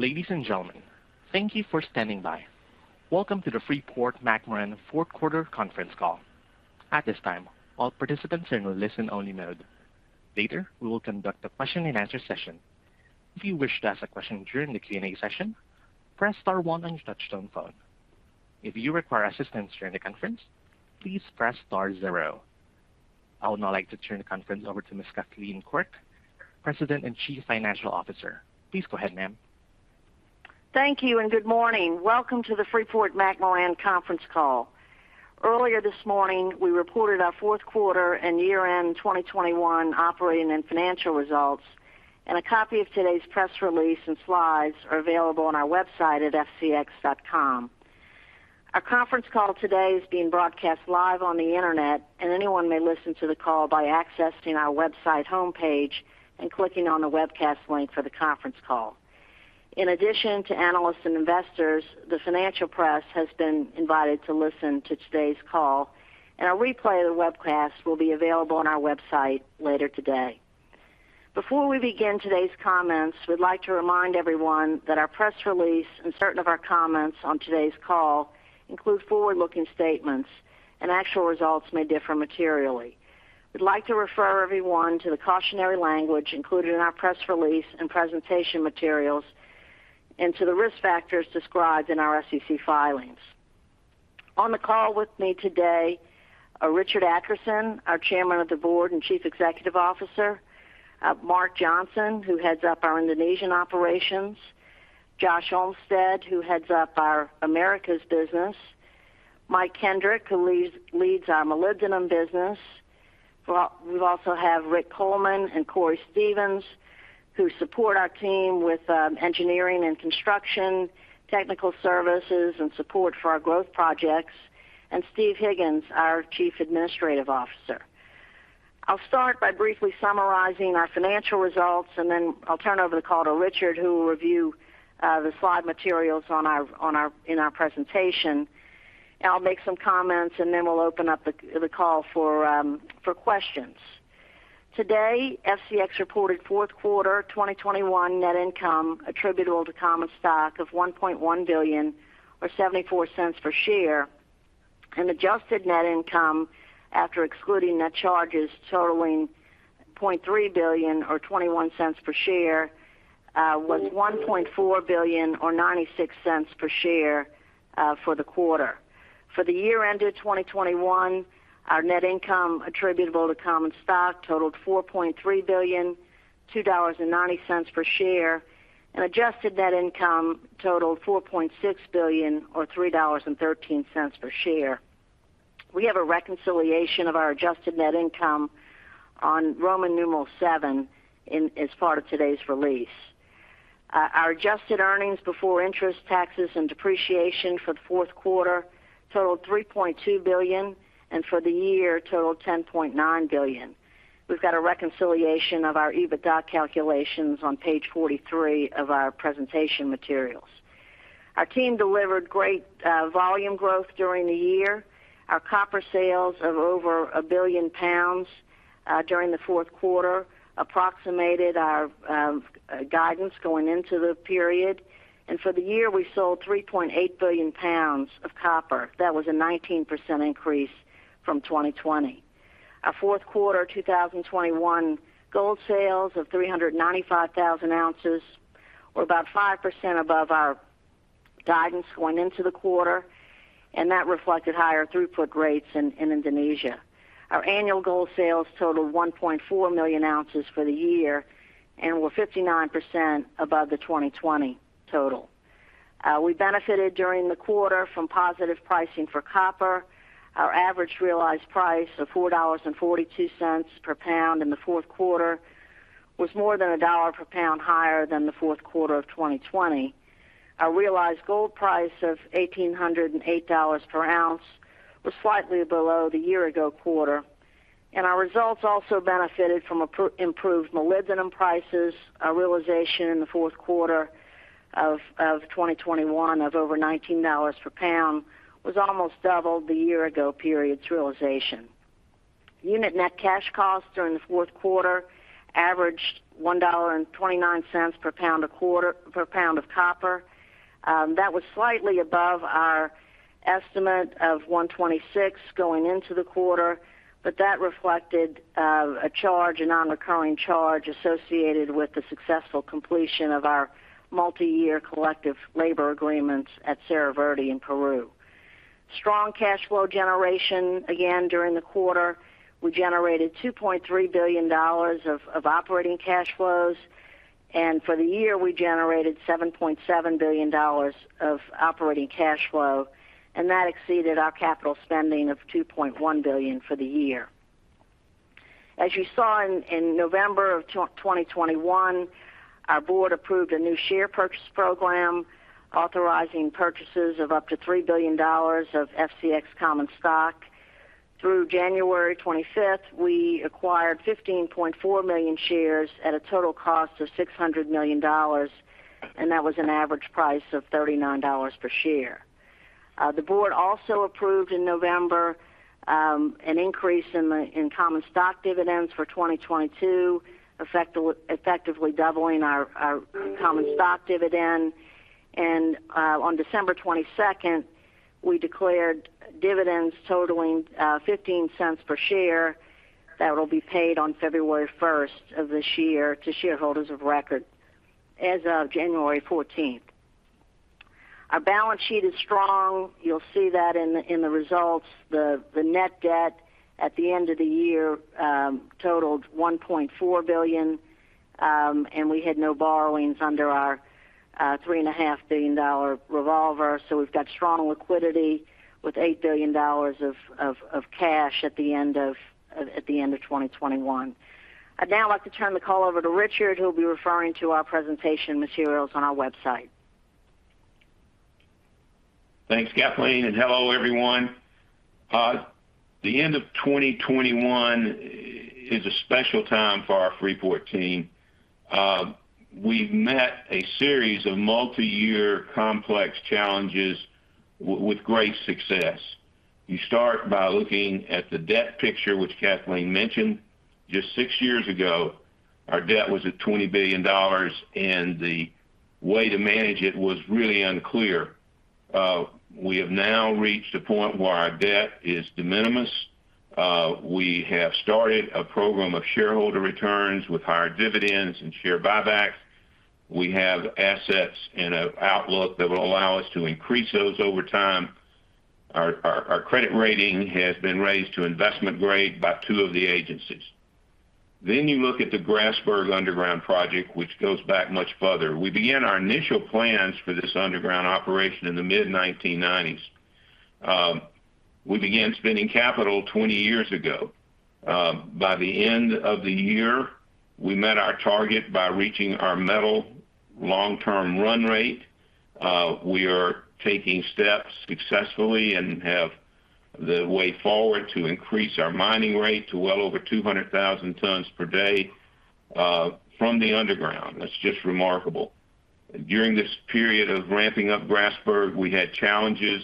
Ladies and gentlemen, thank you for standing by. Welcome to the Freeport-McMoRan Fourth Quarter Conference Call. At this time, all participants are in listen-only mode. Later, we will conduct a question-and-answer session. If you wish to ask a question during the Q&A session, press star one on your touchtone phone. If you require assistance during the conference, please press star zero. I would now like to turn the conference over to Ms. Kathleen Quirk, President and Chief Financial Officer. Please go ahead, ma'am. Thank you and good morning. Welcome to the Freeport-McMoRan conference call. Earlier this morning, we reported our fourth quarter and year-end 2021 operating and financial results, and a copy of today's press release and slides are available on our website at fcx.com. Our conference call today is being broadcast live on the Internet, and anyone may listen to the call by accessing our website homepage and clicking on the webcast link for the conference call. In addition to analysts and investors, the financial press has been invited to listen to today's call, and a replay of the webcast will be available on our website later today. Before we begin today's comments, we'd like to remind everyone that our press release and certain of our comments on today's call include forward-looking statements and actual results may differ materially. We'd like to refer everyone to the cautionary language included in our press release and presentation materials and to the risk factors described in our SEC filings. On the call with me today are Richard Adkerson, our Chairman of the Board and Chief Executive Officer, Mark Johnson, who heads up our Indonesian operations, Josh Olmsted, who heads up our Americas business, Mike Kenrick, who leads our molybdenum business. We've also have Rick Coleman and Cory Stevens, who support our team with engineering and construction, technical services, and support for our growth projects, and Steve Higgins, our Chief Administrative Officer. I'll start by briefly summarizing our financial results, and then I'll turn over the call to Richard, who will review the slide materials in our presentation. I'll make some comments, and then we'll open up the call for questions. Today, FCX reported fourth quarter 2021 net income attributable to common stock of $1.1 billion or $0.74 per share, and adjusted net income after excluding net charges totaling $0.3 billion or $0.21 per share was $1.4 billion or $0.96 per share for the quarter. For the year ended 2021, our net income attributable to common stock totaled $4.3 billion, $2.90 per share, and adjusted net income totaled $4.6 billion or $3.13 per share. We have a reconciliation of our adjusted net income on page VII as part of today's release. Our adjusted earnings before interest, taxes, and depreciation for the fourth quarter totaled $3.2 billion and for the year totaled $10.9 billion. We've got a reconciliation of our EBITDA calculations on page 43 of our presentation materials. Our team delivered great volume growth during the year. Our copper sales of over 1 billion pounds during the fourth quarter approximated our guidance going into the period. For the year, we sold 3.8 billion pounds of copper. That was a 19% increase from 2020. Our fourth quarter 2021 gold sales of 395,000 ounces were about 5% above our guidance going into the quarter, and that reflected higher throughput rates in Indonesia. Our annual gold sales totaled 1.4 million ounces for the year and were 59% above the 2020 total. We benefited during the quarter from positive pricing for copper. Our average realized price of $4.42 per pound in the fourth quarter was more than $1 per pound higher than the fourth quarter of 2020. Our realized gold price of $1,808 per ounce was slightly below the year ago quarter. Our results also benefited from improved molybdenum prices. Our realization in the fourth quarter of 2021 of over $19 per pound was almost double the year ago period's realization. Unit net cash costs during the fourth quarter averaged $1.29 per pound of copper. That was slightly above our estimate of $1.26 going into the quarter, but that reflected a non-recurring charge associated with the successful completion of our multi-year collective labor agreements at Cerro Verde in Peru. Strong cash flow generation again during the quarter. We generated $2.3 billion of operating cash flows. For the year, we generated $7.7 billion of operating cash flow, and that exceeded our capital spending of $2.1 billion for the year. As you saw in November of 2021, our board approved a new share purchase program authorizing purchases of up to $3 billion of FCX common stock. Through January 25th, we acquired 15.4 million shares at a total cost of $600 million, and that was an average price of $39 per share. The board also approved in November an increase in the common stock dividends for 2022, effectively doubling our common stock dividend. On December 22nd, we declared dividends totaling $0.15 per share that will be paid on February 1st of this year to shareholders of record as of January 14th. Our balance sheet is strong. You'll see that in the results. The net debt at the end of the year totaled $1.4 billion, and we had no borrowings under our $3.5 billion revolver. We've got strong liquidity with $8 billion of cash at the end of 2021. I'd now like to turn the call over to Richard, who'll be referring to our presentation materials on our website. Thanks, Kathleen, and hello, everyone. The end of 2021 is a special time for our Freeport team. We've met a series of multiyear complex challenges with great success. You start by looking at the debt picture, which Kathleen mentioned. Just six years ago, our debt was at $20 billion, and the way to manage it was really unclear. We have now reached a point where our debt is de minimis. We have started a program of shareholder returns with higher dividends and share buybacks. We have assets and an outlook that will allow us to increase those over time. Our credit rating has been raised to investment grade by two of the agencies. You look at the Grasberg Underground project, which goes back much further. We began our initial plans for this underground operation in the mid-1990s. We began spending capital 20 years ago. By the end of the year, we met our target by reaching our metal long-term run rate. We are taking steps successfully and have the way forward to increase our mining rate to well over 200,000 tonnes per day from the underground. That's just remarkable. During this period of ramping up Grasberg, we had challenges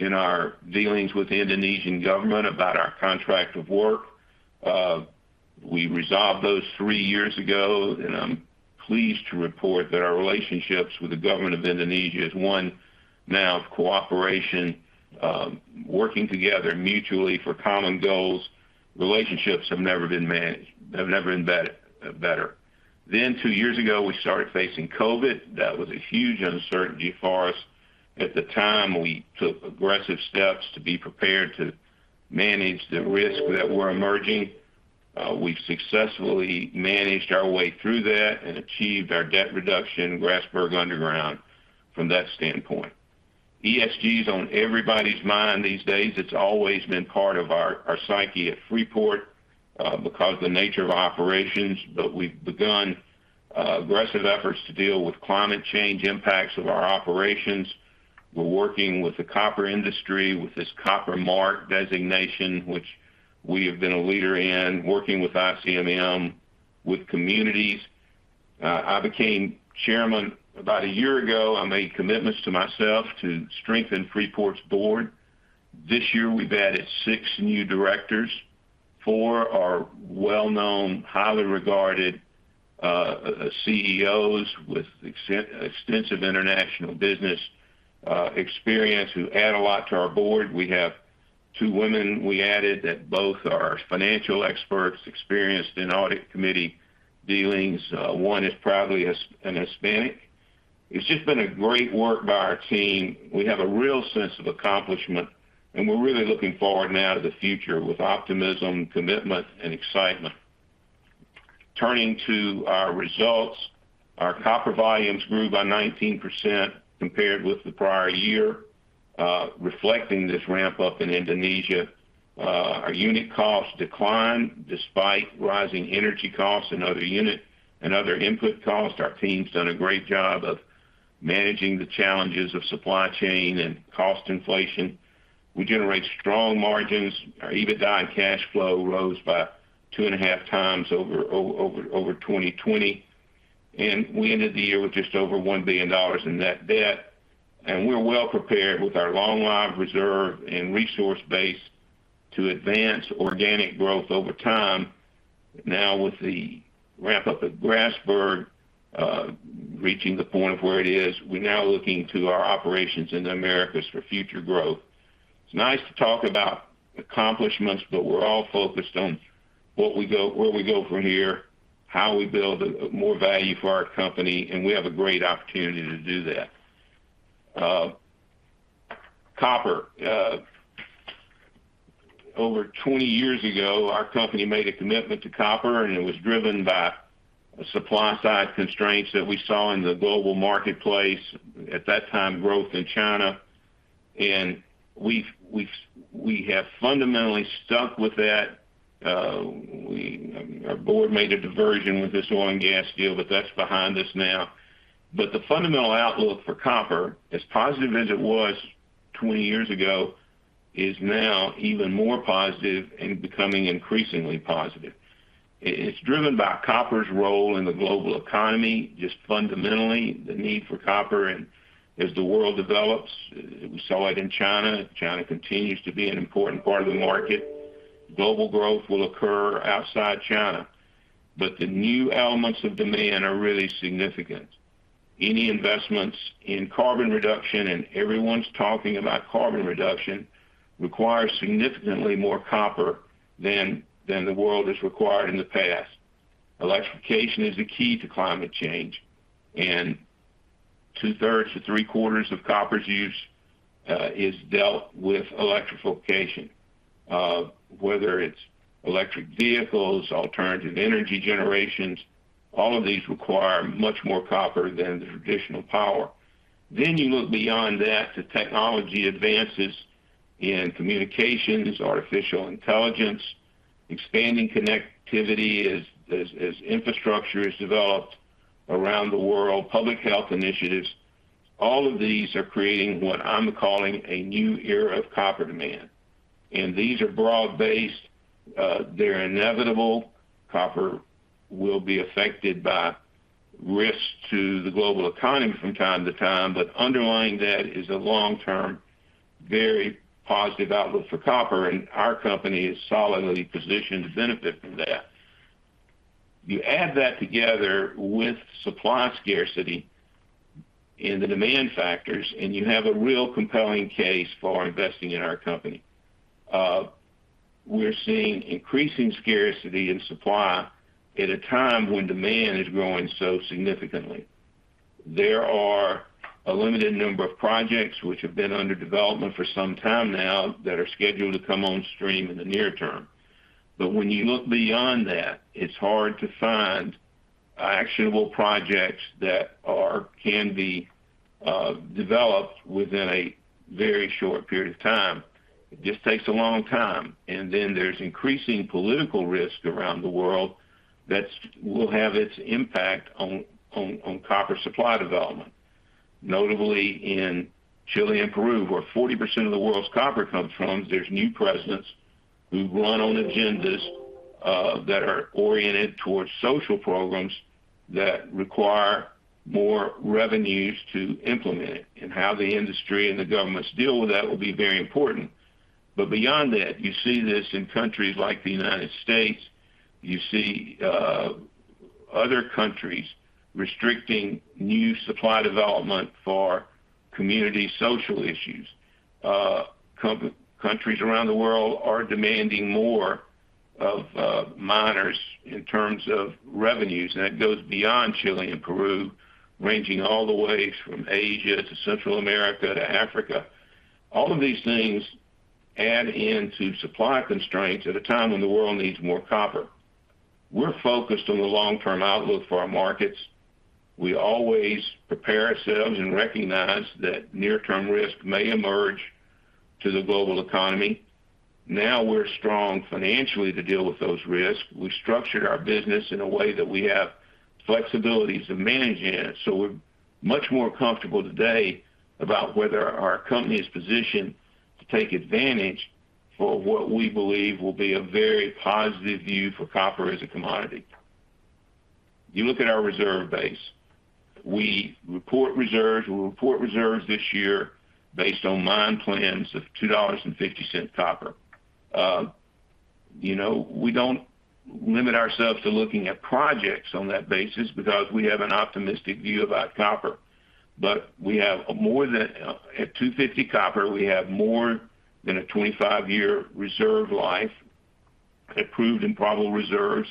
in our dealings with the Indonesian government about our contract of work. We resolved those three years ago, and I'm pleased to report that our relationships with the government of Indonesia is one now of cooperation, working together mutually for common goals. Relationships have never been better. Two years ago, we started facing COVID. That was a huge uncertainty for us. At the time, we took aggressive steps to be prepared to manage the risks that were emerging. We've successfully managed our way through that and achieved our debt reduction in Grasberg Underground from that standpoint. ESG is on everybody's mind these days. It's always been part of our psyche at Freeport, because the nature of operations, but we've begun aggressive efforts to deal with climate change impacts of our operations. We're working with the copper industry with this Copper Mark designation, which we have been a leader in, working with ICMM, with communities. I became chairman about a year ago. I made commitments to myself to strengthen Freeport's board. This year, we've added six new directors. Four are well-known, highly regarded CEOs with extensive international business experience who add a lot to our board. We have two women we added that both are financial experts experienced in audit committee dealings. One is proudly Hispanic. It's just been a great work by our team. We have a real sense of accomplishment, and we're really looking forward now to the future with optimism, commitment, and excitement. Turning to our results, our copper volumes grew by 19% compared with the prior year, reflecting this ramp up in Indonesia. Our unit costs declined despite rising energy costs and other input costs. Our team's done a great job of managing the challenges of supply chain and cost inflation. We generate strong margins. Our EBITDA and cash flow rose by 2.5x over 2020, and we ended the year with just over $1 billion in net debt. We're well prepared with our long life reserve and resource base to advance organic growth over time. Now, with the ramp up at Grasberg, reaching the point of where it is, we're now looking to our operations in the Americas for future growth. It's nice to talk about accomplishments, but we're all focused on where we go from here, how we build more value for our company, and we have a great opportunity to do that. Copper. Over 20 years ago, our company made a commitment to copper, and it was driven by supply-side constraints that we saw in the global marketplace, at that time, growth in China. We have fundamentally stuck with that. Our board made a diversion with this oil and gas deal, but that's behind us now. The fundamental outlook for copper, as positive as it was 20 years ago, is now even more positive and becoming increasingly positive. It's driven by copper's role in the global economy. Just fundamentally, the need for copper and as the world develops, we saw it in China. China continues to be an important part of the market. Global growth will occur outside China, but the new elements of demand are really significant. Any investments in carbon reduction, and everyone's talking about carbon reduction, requires significantly more copper than the world has required in the past. Electrification is the key to climate change, and 2/3-3/4 of copper's use is dealt with electrification. Whether it's electric vehicles, alternative energy generations, all of these require much more copper than the traditional power. You look beyond that to technology advances in communications, artificial intelligence, expanding connectivity as infrastructure is developed around the world, public health initiatives, all of these are creating what I'm calling a new era of copper demand. These are broad-based, they're inevitable. Copper will be affected by risks to the global economy from time to time, but underlying that is a long-term, very positive outlook for copper, and our company is solidly positioned to benefit from that. You add that together with supply scarcity and the demand factors, and you have a real compelling case for investing in our company. We're seeing increasing scarcity in supply at a time when demand is growing so significantly. There are a limited number of projects which have been under development for some time now that are scheduled to come on stream in the near term. When you look beyond that, it's hard to find actionable projects that can be developed within a very short period of time. It just takes a long time. Then there's increasing political risk around the world that will have its impact on copper supply development, notably in Chile and Peru, where 40% of the world's copper comes from. There are new presidents who run on agendas that are oriented towards social programs that require more revenues to implement it, and how the industry and the governments deal with that will be very important. Beyond that, you see this in countries like the United States. You see other countries restricting new supply development for community social issues. Countries around the world are demanding more of miners in terms of revenues. That goes beyond Chile and Peru, ranging all the way from Asia to Central America to Africa. All of these things add into supply constraints at a time when the world needs more copper. We're focused on the long-term outlook for our markets. We always prepare ourselves and recognize that near-term risk may emerge to the global economy. Now we're strong financially to deal with those risks. We've structured our business in a way that we have flexibilities of managing it, so we're much more comfortable today about whether our company is positioned to take advantage for what we believe will be a very positive view for copper as a commodity. You look at our reserve base. We report reserves. We'll report reserves this year based on mine plans of $2.50 copper. You know, we don't limit ourselves to looking at projects on that basis because we have an optimistic view about copper. We have more than at $2.50 copper, we have more than a 25-year reserve life approved in probable reserves.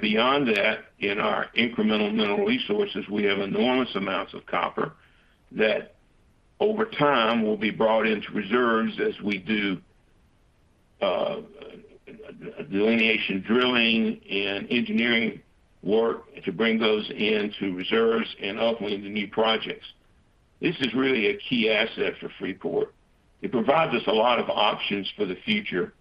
Beyond that, in our incremental mineral resources, we have enormous amounts of copper that over time will be brought into reserves as we do delineation drilling and engineering work to bring those into reserves and hopefully into new projects. This is really a key asset for Freeport. It provides us a lot of options for the future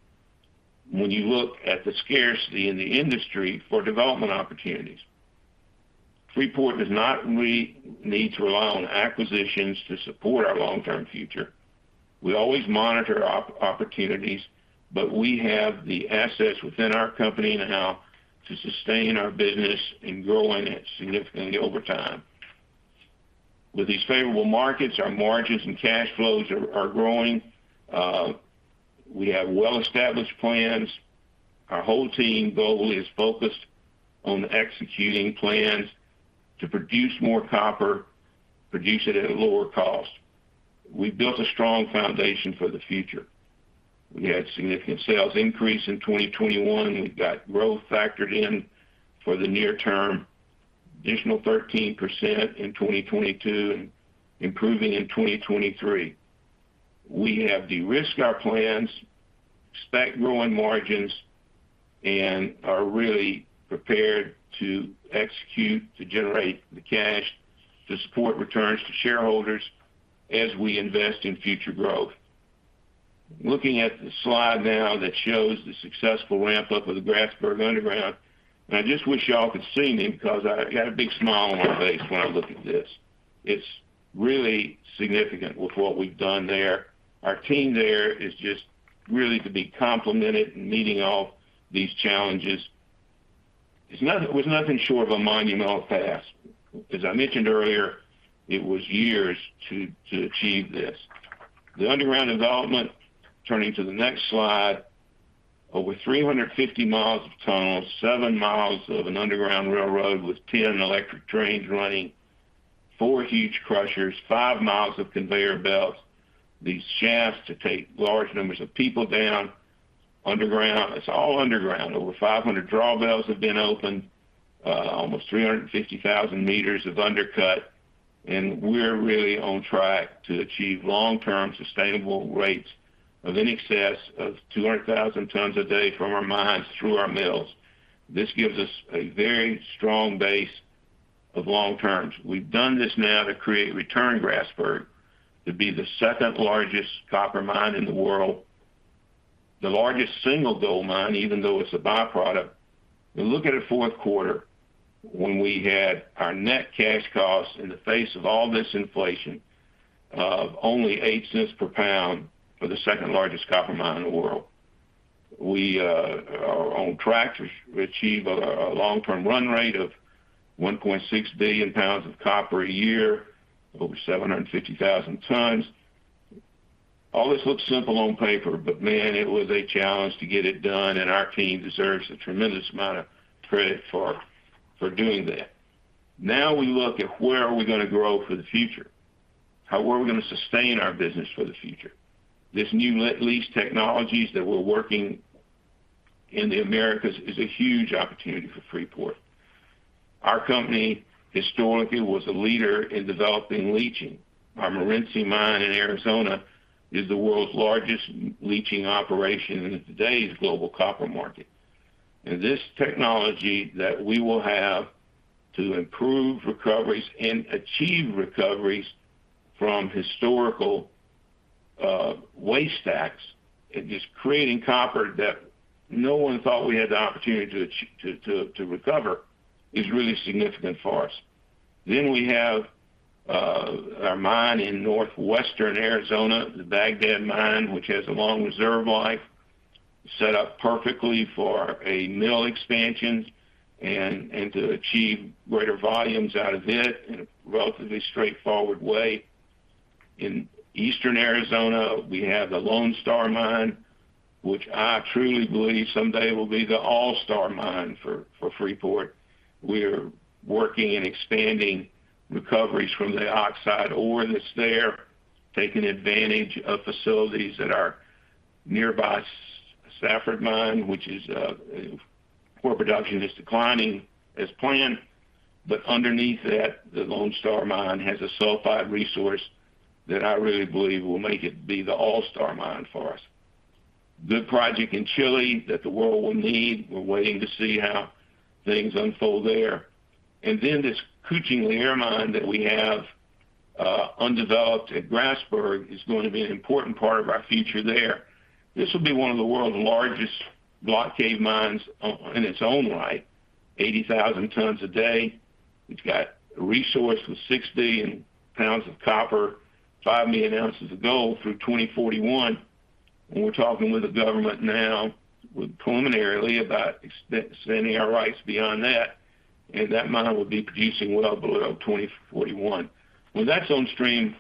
when you look at the scarcity in the industry for development opportunities. Freeport does not need to rely on acquisitions to support our long-term future. We always monitor opportunities, but we have the assets within our company now to sustain our business and growing it significantly over time. With these favorable markets, our margins and cash flows are growing. We have well-established plans. Our whole team goal is focused on executing plans to produce more copper, produce it at a lower cost. We've built a strong foundation for the future. We had significant sales increase in 2021. We've got growth factored in for the near term, additional 13% in 2022, and improving in 2023. We have de-risked our plans, expect growing margins, and are really prepared to execute to generate the cash to support returns to shareholders as we invest in future growth. Looking at the slide now that shows the successful ramp-up of the Grasberg underground, and I just wish you all could see me because I got a big smile on my face when I look at this. It's really significant with what we've done there. Our team there is just really to be complimented in meeting all these challenges. It was nothing short of a monumental task. As I mentioned earlier, it was years to achieve this. The underground development, turning to the next slide, over 350 miles of tunnels, seven miles of an underground railroad with 10 electric trains running, four huge crushers five, miles of conveyor belts, these shafts to take large numbers of people down underground. It's all underground. Over 500 drawbells have been opened, almost 350,000 meters of undercut, and we're really on track to achieve long-term sustainable rates of in excess of 200,000 tonnes a day from our mines through our mills. This gives us a very strong base of long term. We've done this now to return Grasberg to be the second-largest copper mine in the world. The largest single gold mine, even though it's a byproduct. Look at it fourth quarter, when we had our net cash costs in the face of all this inflation of only $0.08 per pound for the second-largest copper mine in the world. We are on track to achieve a long-term run rate of 1.6 billion pounds of copper a year, over 750,000 tonnes. All this looks simple on paper, but man, it was a challenge to get it done, and our team deserves a tremendous amount of credit for doing that. Now we look at where are we gonna grow for the future? How are we gonna sustain our business for the future? This new leach technologies that we're working in the Americas is a huge opportunity for Freeport. Our company historically was a leader in developing leaching. Our Morenci mine in Arizona is the world's largest leaching operation in today's global copper market. This technology that we will have to improve recoveries and achieve recoveries from historical waste stacks is creating copper that no one thought we had the opportunity to recover is really significant for us. We have our mine in northwestern Arizona, the Bagdad mine, which has a long reserve life, set up perfectly for a mill expansion and to achieve greater volumes out of it in a relatively straightforward way. In eastern Arizona, we have the Lone Star mine, which I truly believe someday will be the all-star mine for Freeport. We're working on expanding recoveries from the oxide ore that's there, taking advantage of facilities that are nearby Safford mine, ore production is declining as planned. Underneath that, the Lone Star mine has a sulfide resource that I really believe will make it be the All Star mine for us. Good project in Chile that the world will need. We're waiting to see how things unfold there. This Kucing Liar mine that we have, undeveloped at Grasberg is going to be an important part of our future there. This will be one of the world's largest block cave mines in its own right. 80,000 tonnes a day. It's got resource with 60 billion pounds of copper, 5 million ounces of gold through 2041. We're talking with the government now preliminarily about extending our rights beyond that, and that mine will be producing well beyond 2041. When that's on stream,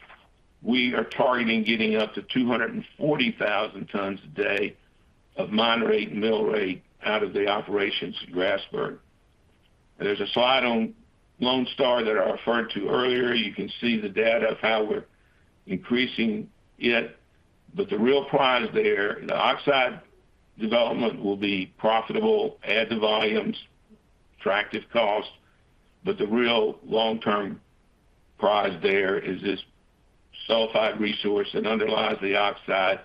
we are targeting getting up to 240,000 tonnes a day of mine rate and mill rate out of the operations at Grasberg. There's a slide on Lone Star that I referred to earlier. You can see the data of how we're increasing it, but the real prize there, the oxide development will be profitable, add to volumes, attractive cost, but the real long-term prize there is this sulfide resource that underlies the oxide.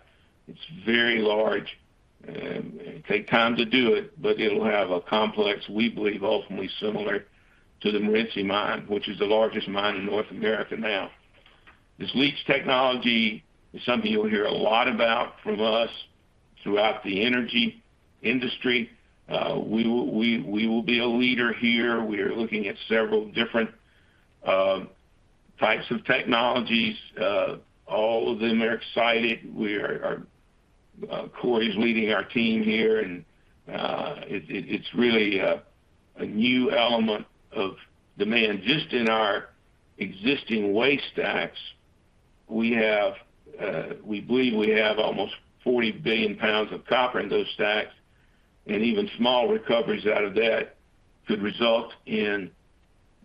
It's very large, it takes time to do it, but it'll have a complex we believe ultimately similar to the Morenci mine, which is the largest mine in North America now. This leach technology is something you'll hear a lot about from us throughout the energy industry. We will be a leader here. We are looking at several different types of technologies. All of them are exciting. Cory is leading our team here, and it's really a new element of demand. Just in our existing waste stacks, we believe we have almost 40 billion pounds of copper in those stacks, and even small recoveries out of that could result in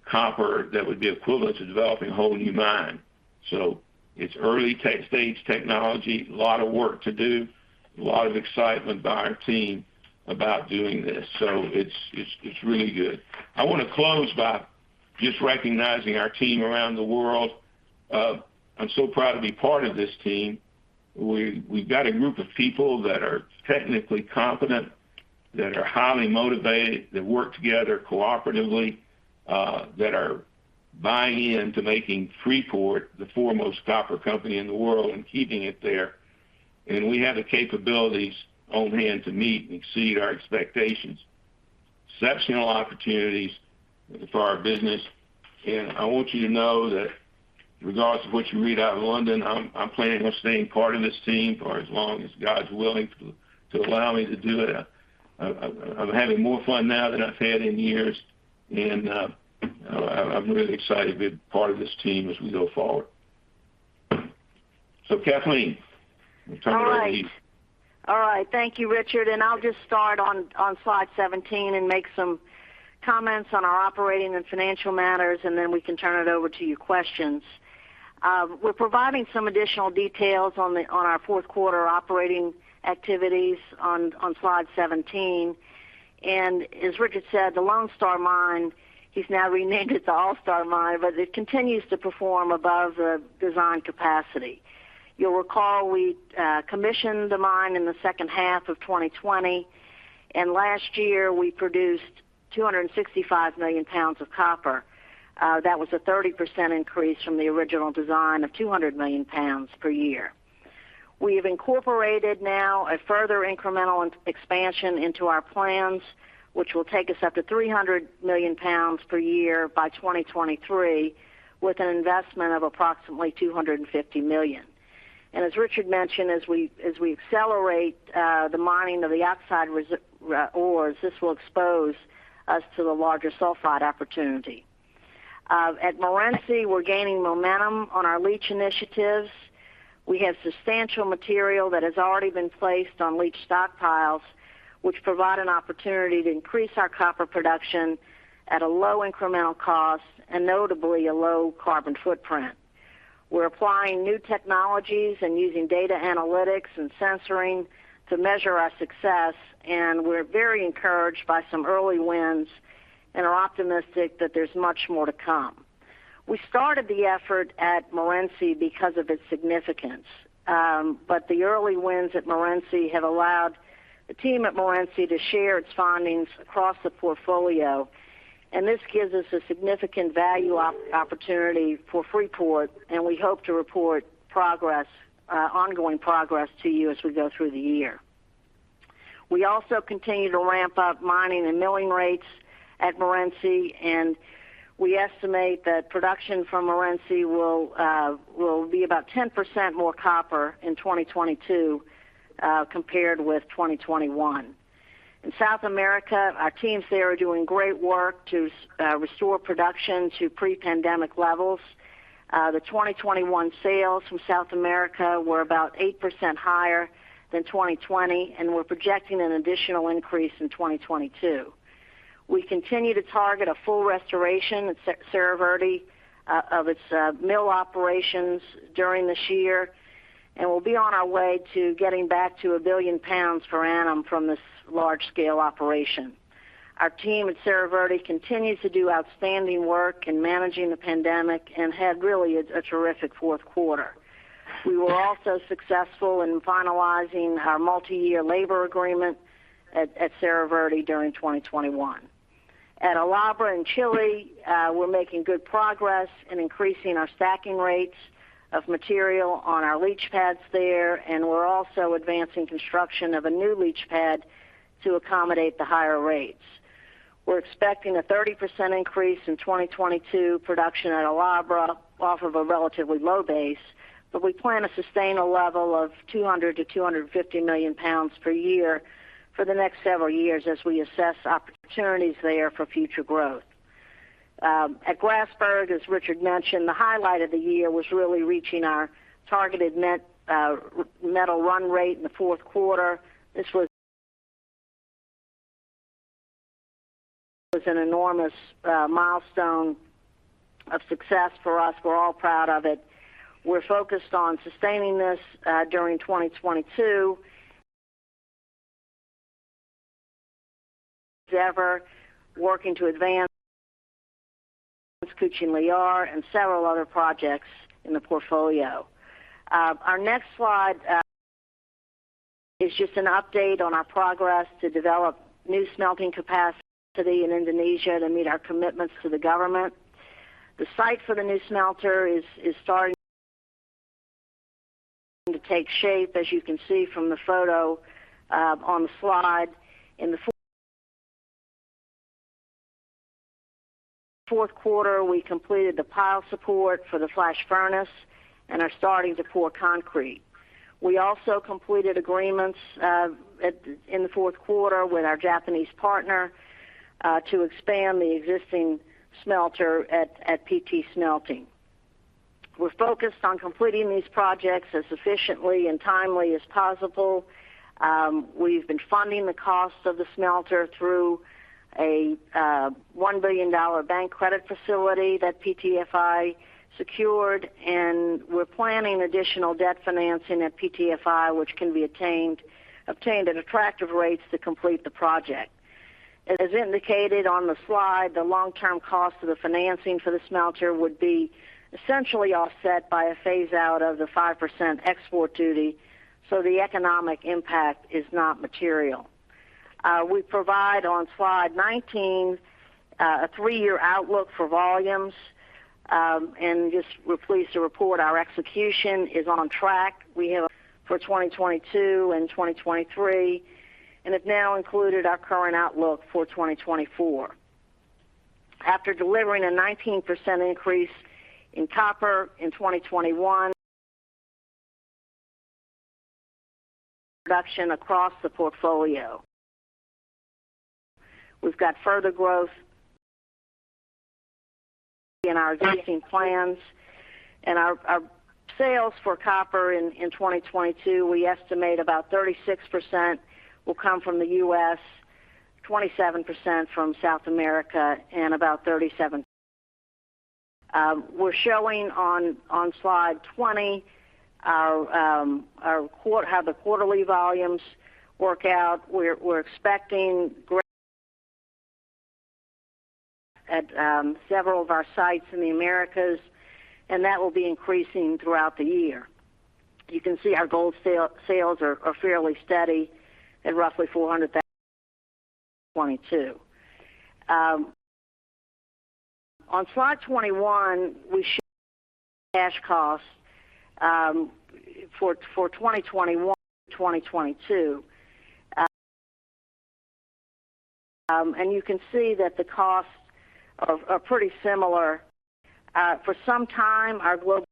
copper that would be equivalent to developing a whole new mine. It's early-stage technology, a lot of work to do, a lot of excitement by our team about doing this. It's really good. I wanna close by just recognizing our team around the world. I'm so proud to be part of this team. We've got a group of people that are technically competent, that are highly motivated, that work together cooperatively, that are buying in to making Freeport the foremost copper company in the world and keeping it there. We have the capabilities on hand to meet and exceed our expectations. Exceptional opportunities for our business. I want you to know that regardless of what you read out of London, I'm planning on staying part of this team for as long as God's willing to allow me to do it. I'm having more fun now than I've had in years, and I'm really excited to be part of this team as we go forward. Kathleen, I'll turn it over to you. Thank you, Richard. I'll just start on slide 17 and make some comments on our operating and financial matters, and then we can turn it over to your questions. We're providing some additional details on our fourth quarter operating activities on slide 17. As Richard said, the Lone Star Mine, he's now renamed it the All-Star Mine, but it continues to perform above the design capacity. You'll recall we commissioned the mine in the second half of 2020, and last year we produced 265 million pounds of copper. That was a 30% increase from the original design of 200 million pounds per year. We have incorporated now a further incremental expansion into our plans, which will take us up to 300 million pounds per year by 2023, with an investment of approximately $250 million. As Richard mentioned, as we accelerate the mining of the oxide ores, this will expose us to the larger sulfide opportunity. At Morenci, we're gaining momentum on our leach initiatives. We have substantial material that has already been placed on leach stockpiles, which provide an opportunity to increase our copper production at a low incremental cost and notably a low carbon footprint. We're applying new technologies and using data analytics and sensing to measure our success, and we're very encouraged by some early wins and are optimistic that there's much more to come. We started the effort at Morenci because of its significance. The early wins at Morenci have allowed the team at Morenci to share its findings across the portfolio. This gives us a significant value opportunity for Freeport, and we hope to report progress, ongoing progress to you as we go through the year. We also continue to ramp up mining and milling rates at Morenci, and we estimate that production from Morenci will be about 10% more copper in 2022, compared with 2021. In South America, our teams there are doing great work to restore production to pre-pandemic levels. The 2021 sales from South America were about 8% higher than 2020, and we're projecting an additional increase in 2022. We continue to target a full restoration at Cerro Verde of its mill operations during this year, and we'll be on our way to getting back to 1 billion pounds per annum from this large-scale operation. Our team at Cerro Verde continues to do outstanding work in managing the pandemic and had really a terrific fourth quarter. We were also successful in finalizing our multi-year labor agreement at Cerro Verde during 2021. At El Abra in Chile, we're making good progress in increasing our stacking rates of material on our leach pads there, and we're also advancing construction of a new leach pad to accommodate the higher rates. We're expecting a 30% increase in 2022 production at El Abra off of a relatively low base, but we plan to sustain a level of 200 million-250 million pounds per year for the next several years as we assess opportunities there for future growth. At Grasberg, as Richard mentioned, the highlight of the year was really reaching our targeted metal run rate in the fourth quarter. This was an enormous milestone of success for us. We're all proud of it. We're focused on sustaining this during 2022, and we're working to advance several other projects in the portfolio. Our next slide is just an update on our progress to develop new smelting capacity in Indonesia to meet our commitments to the government. The site for the new smelter is starting to take shape, as you can see from the photo on the slide. In the fourth quarter, we completed the pile support for the flash furnace and are starting to pour concrete. We also completed agreements in the fourth quarter with our Japanese partner to expand the existing smelter at PT Smelting. We're focused on completing these projects as efficiently and timely as possible. We've been funding the cost of the smelter through a $1 billion bank credit facility that PTFI secured, and we're planning additional debt financing at PTFI, which can be obtained at attractive rates to complete the project. As indicated on the slide, the long-term cost of the financing for the smelter would be essentially offset by a phase out of the 5% export duty, so the economic impact is not material. We provide on slide 19-A three-year outlook for volumes, and just we're pleased to report our execution is on track. We have for 2022 and 2023, and it now included our current outlook for 2024. After delivering a 19% increase in copper production across the portfolio in 2021. We've got further growth in our existing plans and our sales for copper in 2022, we estimate about 36% will come from the U.S., 27% from South America and about 37%. We're showing on slide 20 how the quarterly volumes work out. We're expecting great. At several of our sites in the Americas, and that will be increasing throughout the year. You can see our gold sales are fairly steady at roughly 422,000. On slide 21, we show cash costs for 2021 to 2022. You can see that the costs are pretty similar. For some time, our global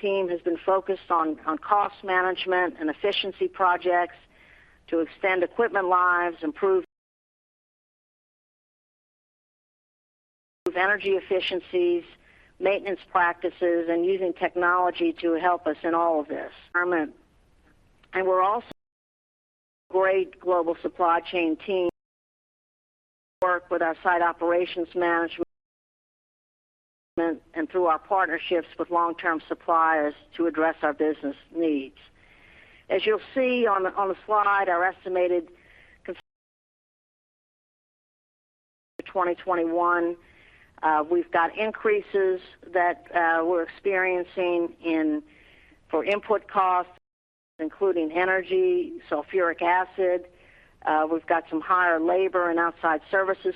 team has been focused on cost management and efficiency projects to extend equipment lives, improve energy efficiencies, maintenance practices, and using technology to help us in all of this. We have a great global supply chain team that works with our site operations management and through our partnerships with long-term suppliers to address our business needs. As you'll see on the slide, our estimated cons 2021, we've got increases that we're experiencing in for input costs, including energy, sulfuric acid. We've got some higher labor and outside services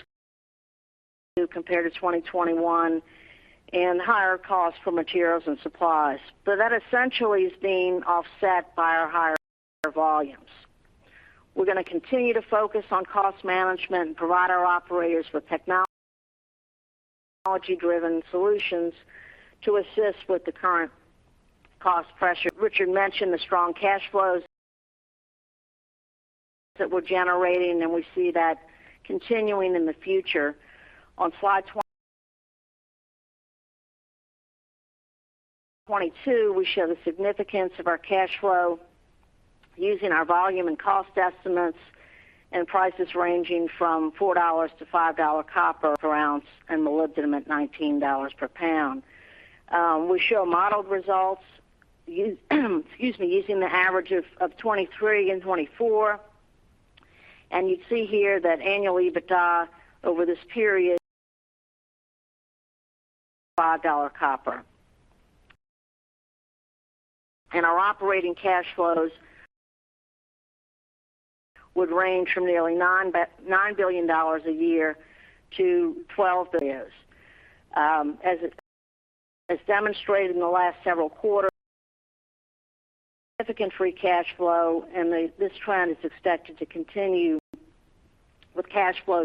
compared to 2021 and higher costs for materials and supplies. That essentially is being offset by our higher volumes. We're going to continue to focus on cost management and provide our operators with technology-driven solutions to assist with the current cost pressure. Richard mentioned the strong cash flows that we're generating, and we see that continuing in the future. On slide 22, we show the significance of our cash flow using our volume and cost estimates and prices ranging from $4-$5 copper per ounce and molybdenum at $19 per pound. We show modeled results using the average of 2023 and 2024. You see here that annual EBITDA over this period $5 copper. Our operating cash flows would range from nearly $9 billion a year to $12 billion. As it has demonstrated in the last several quarters, significant free cash flow, and this trend is expected to continue with cash flow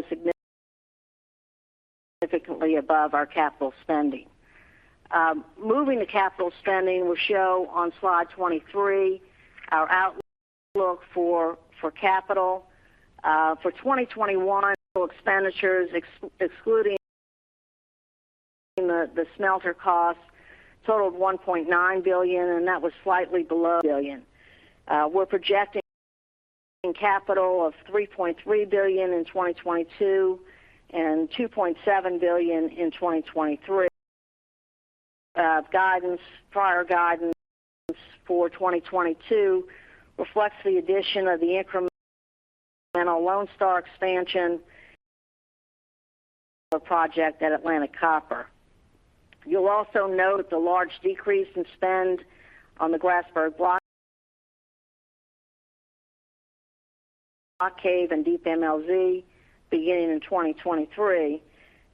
significantly above our capital spending. Moving to capital spending, we'll show on slide 23 our outlook for capital. For 2021, total expenditures excluding the smelter costs totaled $1.9 billion, and that was slightly below billion. We're projecting capital of $3.3 billion in 2022 and $2.7 billion in 2023. Prior guidance for 2022 reflects the addition of the incremental Lone Star expansion project at Atlantic Copper. You'll also note the large decrease in spend on the Grasberg Block Cave and Deep MLZ beginning in 2023.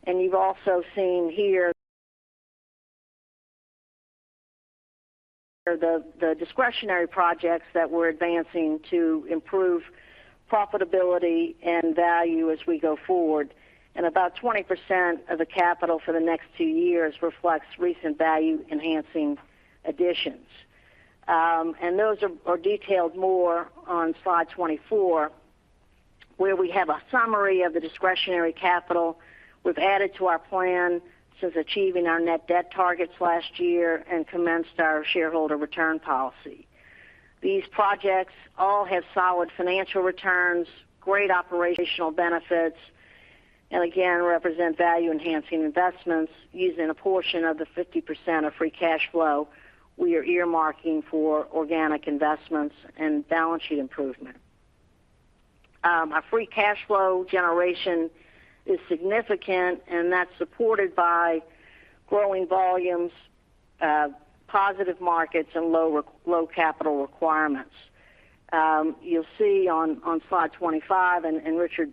You've also seen here the discretionary projects that we're advancing to improve profitability and value as we go forward. About 20% of the capital for the next two years reflects recent value-enhancing additions. Those are detailed more on slide 24, where we have a summary of the discretionary capital we've added to our plan since achieving our net debt targets last year and commenced our shareholder return policy. These projects all have solid financial returns, great operational benefits, and again, represent value enhancing investments using a portion of the 50% of free cash flow we are earmarking for organic investments and balance sheet improvement. Our free cash flow generation is significant, and that's supported by growing volumes, positive markets and low capital requirements. You'll see on slide 25, and Richard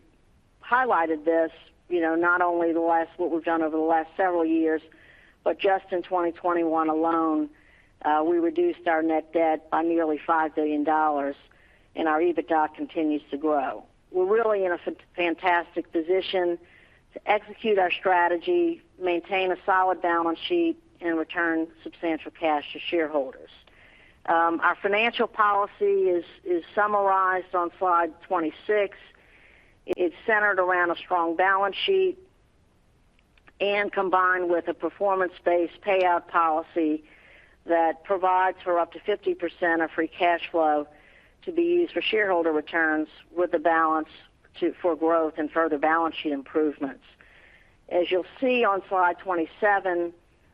highlighted this, you know, not only what we've done over the last several years, but just in 2021 alone, we reduced our net debt by nearly $5 billion, and our EBITDA continues to grow. We're really in a fantastic position to execute our strategy, maintain a solid balance sheet, and return substantial cash to shareholders. Our financial policy is summarized on slide 26. It's centered around a strong balance sheet and combined with a performance-based payout policy that provides for up to 50% of free cash flow to be used for shareholder returns with the balance for growth and further balance sheet improvements. As you'll see on slide 27,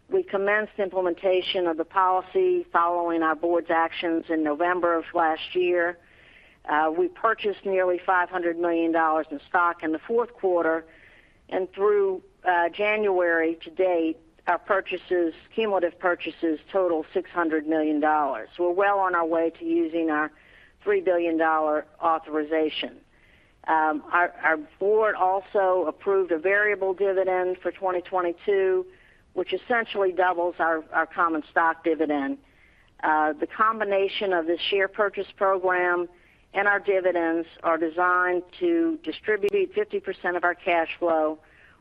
we commenced implementation of the policy following our board's actions in November of last year. We purchased nearly $500 million in stock in the fourth quarter, and through January to date, our cumulative purchases total $600 million. We're well on our way to using our $3 billion authorization. Our board also approved a variable dividend for 2022, which essentially doubles our common stock dividend. The combination of the share purchase program and our dividends are designed to distribute 50% of our cash flow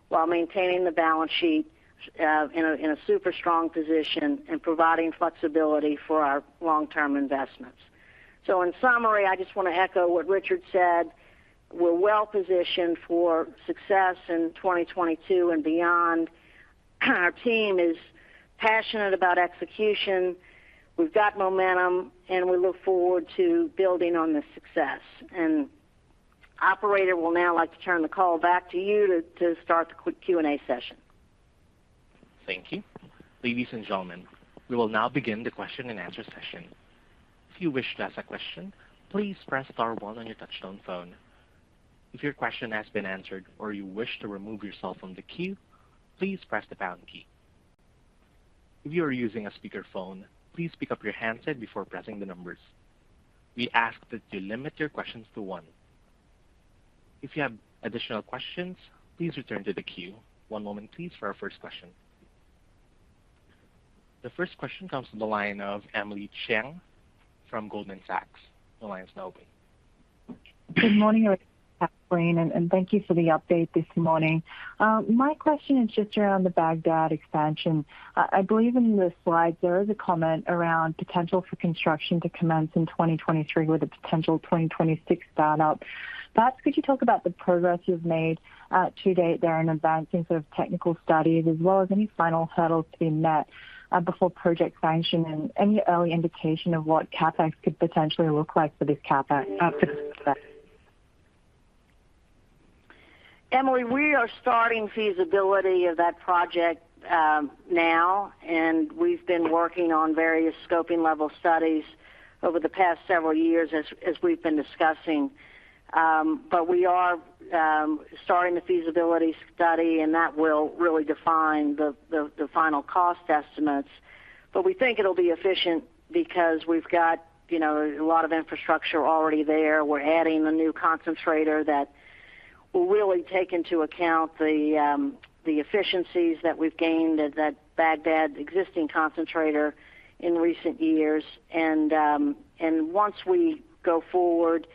while maintaining the balance sheet in a super strong position and providing flexibility for our long-term investments. In summary, I just wanna echo what Richard said. We're well positioned for success in 2022 and beyond. Our team is passionate about execution. We've got momentum, and we look forward to building on this success. Operator, we'll now like to turn the call back to you to start the Q&A session. Thank you. Ladies and gentlemen, we will now begin the question-and-answer session. If you wish to ask a question, please press star one on your touchtone phone. If your question has been answered or you wish to remove yourself from the queue, please press the pound key. If you are using a speakerphone, please pick up your handset before pressing the numbers. We ask that you limit your questions to one. If you have additional questions, please return to the queue. One moment, please, for our first question. The first question comes from the line of Emily Chieng from Goldman Sachs. Your line is now open. Good morning, Richard and Kathleen, and thank you for the update this morning. My question is just around the Bagdad expansion. I believe in the slides there is a comment around potential for construction to commence in 2023, with a potential 2026 start up. Perhaps could you talk about the progress you've made to date there in advancing sort of technical studies as well as any final hurdles to be met before project sanction? Any early indication of what CapEx could potentially look like for this CapEx for this project? Emily, we are starting feasibility of that project now, and we've been working on various scoping level studies over the past several years as we've been discussing. We are starting the feasibility study, and that will really define the final cost estimates. We think it'll be efficient because we've got, you know, a lot of infrastructure already there. We're adding a new concentrator that will really take into account the efficiencies that we've gained at that Bagdad existing concentrator in recent years. Once we go forward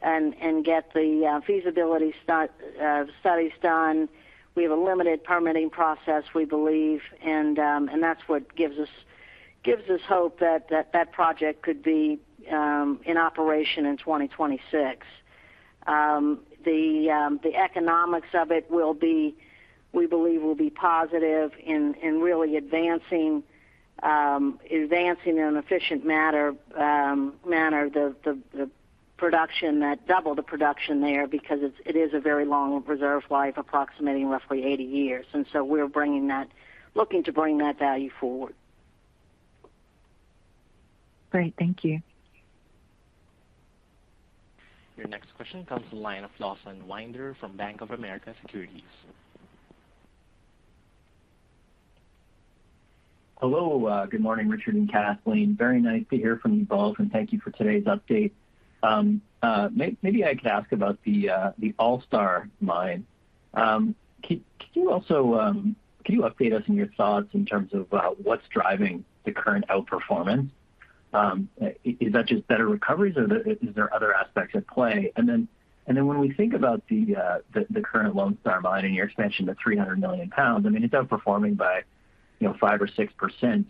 and get the feasibility studies done, we have a limited permitting process, we believe. That's what gives us hope that that project could be in operation in 2026. The economics of it will be, we believe, positive in really advancing in an efficient manner the production that double the production there because it is a very long reserve life, approximating roughly 80 years. We're looking to bring that value forward. Great. Thank you. Your next question comes from the line of Lawson Winder from Bank of America Securities. Hello. Good morning, Richard and Kathleen. Very nice to hear from you both, and thank you for today's update. Maybe I could ask about the All Star mine. Can you update us on your thoughts in terms of what's driving the current outperformance? Is that just better recoveries, or is there other aspects at play? When we think about the current Lone Star mine and your expansion to 300 million pounds, I mean, it's outperforming by 5% or 6%.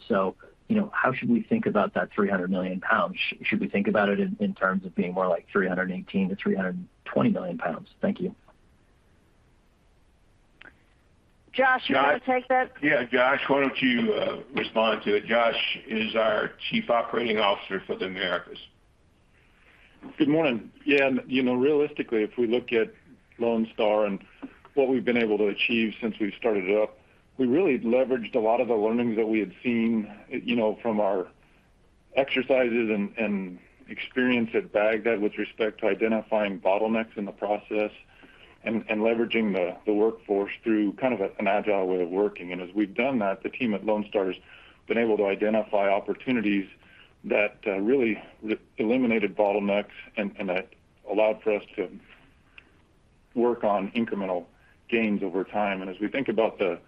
How should we think about those 300 million pounds? Should we think about it in terms of being more like 318 million-320 million pounds? Thank you. Josh, you want to take that? Yeah. Josh, why don't you respond to it? Josh is our Chief Operating Officer for the Americas. Good morning. Yeah. You know, realistically, if we look at Lone Star and what we've been able to achieve since we started it up, we really leveraged a lot of the learnings that we had seen, you know, from our exercises and experience at Bagdad with respect to identifying bottlenecks in the process. Leveraging the workforce through kind of an agile way of working. As we've done that, the team at Lone Star has been able to identify opportunities that really eliminated bottlenecks and that allowed for us to work on incremental gains over time. As we think about the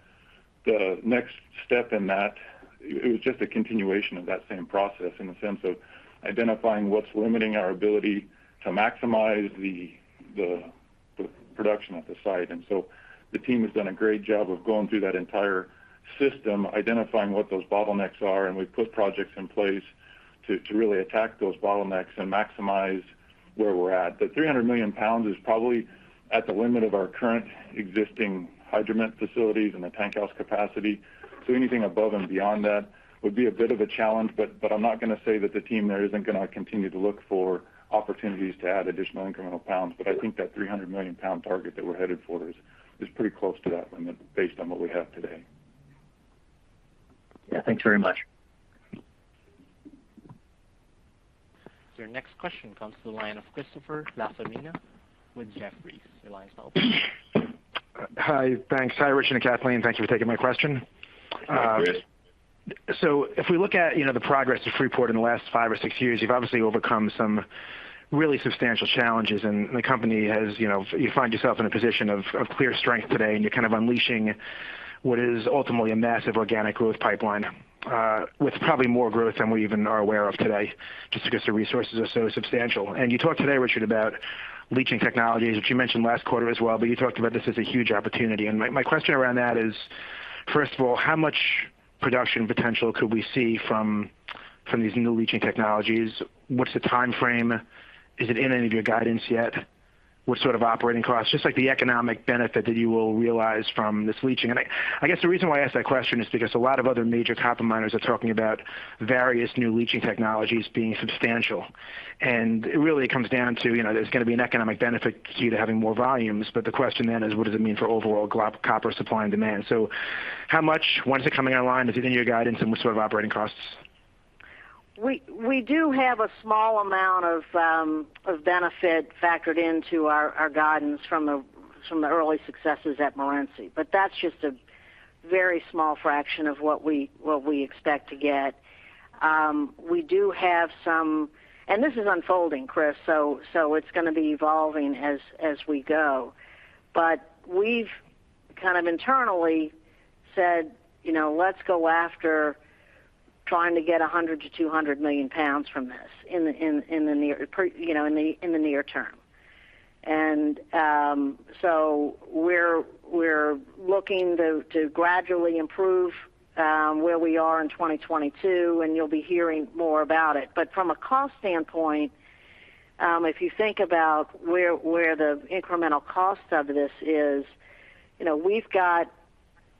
next step in that, it was just a continuation of that same process in the sense of identifying what's limiting our ability to maximize the production at the site. The team has done a great job of going through that entire system, identifying what those bottlenecks are, and we've put projects in place to really attack those bottlenecks and maximize where we're at. The 300 million pounds is probably at the limit of our current existing hydromet facilities and the tank house capacity. Anything above and beyond that would be a bit of a challenge, but I'm not gonna say that the team there isn't gonna continue to look for opportunities to add additional incremental pounds. I think that 300 million pound target that we're headed for is pretty close to that limit based on what we have today. Yeah, thanks very much. Your next question comes to the line of Chris LaFemina with Jefferies. Your line's open. Hi. Thanks. Hi, Richard and Kathleen. Thank you for taking my question. Hi, Chris. If we look at, you know, the progress of Freeport in the last 5 or 6 years, you've obviously overcome some really substantial challenges. The company has, you know, you find yourself in a position of clear strength today, and you're kind of unleashing what is ultimately a massive organic growth pipeline, with probably more growth than we even are aware of today, just because the resources are so substantial. You talked today, Richard, about leaching technologies, which you mentioned last quarter as well, but you talked about this as a huge opportunity. My question around that is, first of all, how much production potential could we see from these new leaching technologies? What's the timeframe? Is it in any of your guidance yet? What sort of operating costs? Just like the economic benefit that you will realize from this leaching. I guess the reason why I ask that question is because a lot of other major copper miners are talking about various new leaching technologies being substantial. It really comes down to, you know, there's gonna be an economic benefit key to having more volumes. The question then is what does it mean for overall copper supply and demand. How much, when is it coming online, is it in your guidance and what sort of operating costs? We do have a small amount of benefit factored into our guidance from the early successes at Morenci. But that's just a very small fraction of what we expect to get. This is unfolding, Chris, so it's gonna be evolving as we go. But we've kind of internally said, you know, let's go after trying to get 100 million-200 million pounds from this in the near term, you know. So we're looking to gradually improve where we are in 2022, and you'll be hearing more about it. From a cost standpoint, if you think about where the incremental cost of this is, you know, we've got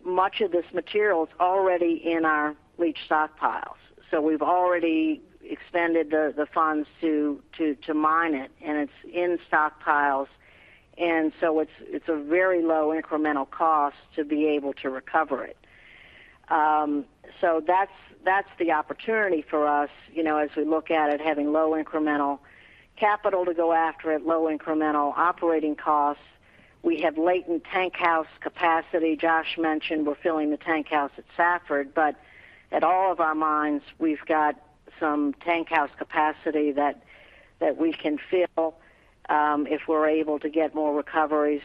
much of this material's already in our leach stockpiles. We've already expended the funds to mine it, and it's in stockpiles. It's a very low incremental cost to be able to recover it. That's the opportunity for us, you know, as we look at it, having low incremental capital to go after it, low incremental operating costs. We have latent tank house capacity. Josh mentioned we're filling the tank house at Safford, but at all of our mines, we've got some tank house capacity that we can fill, if we're able to get more recoveries.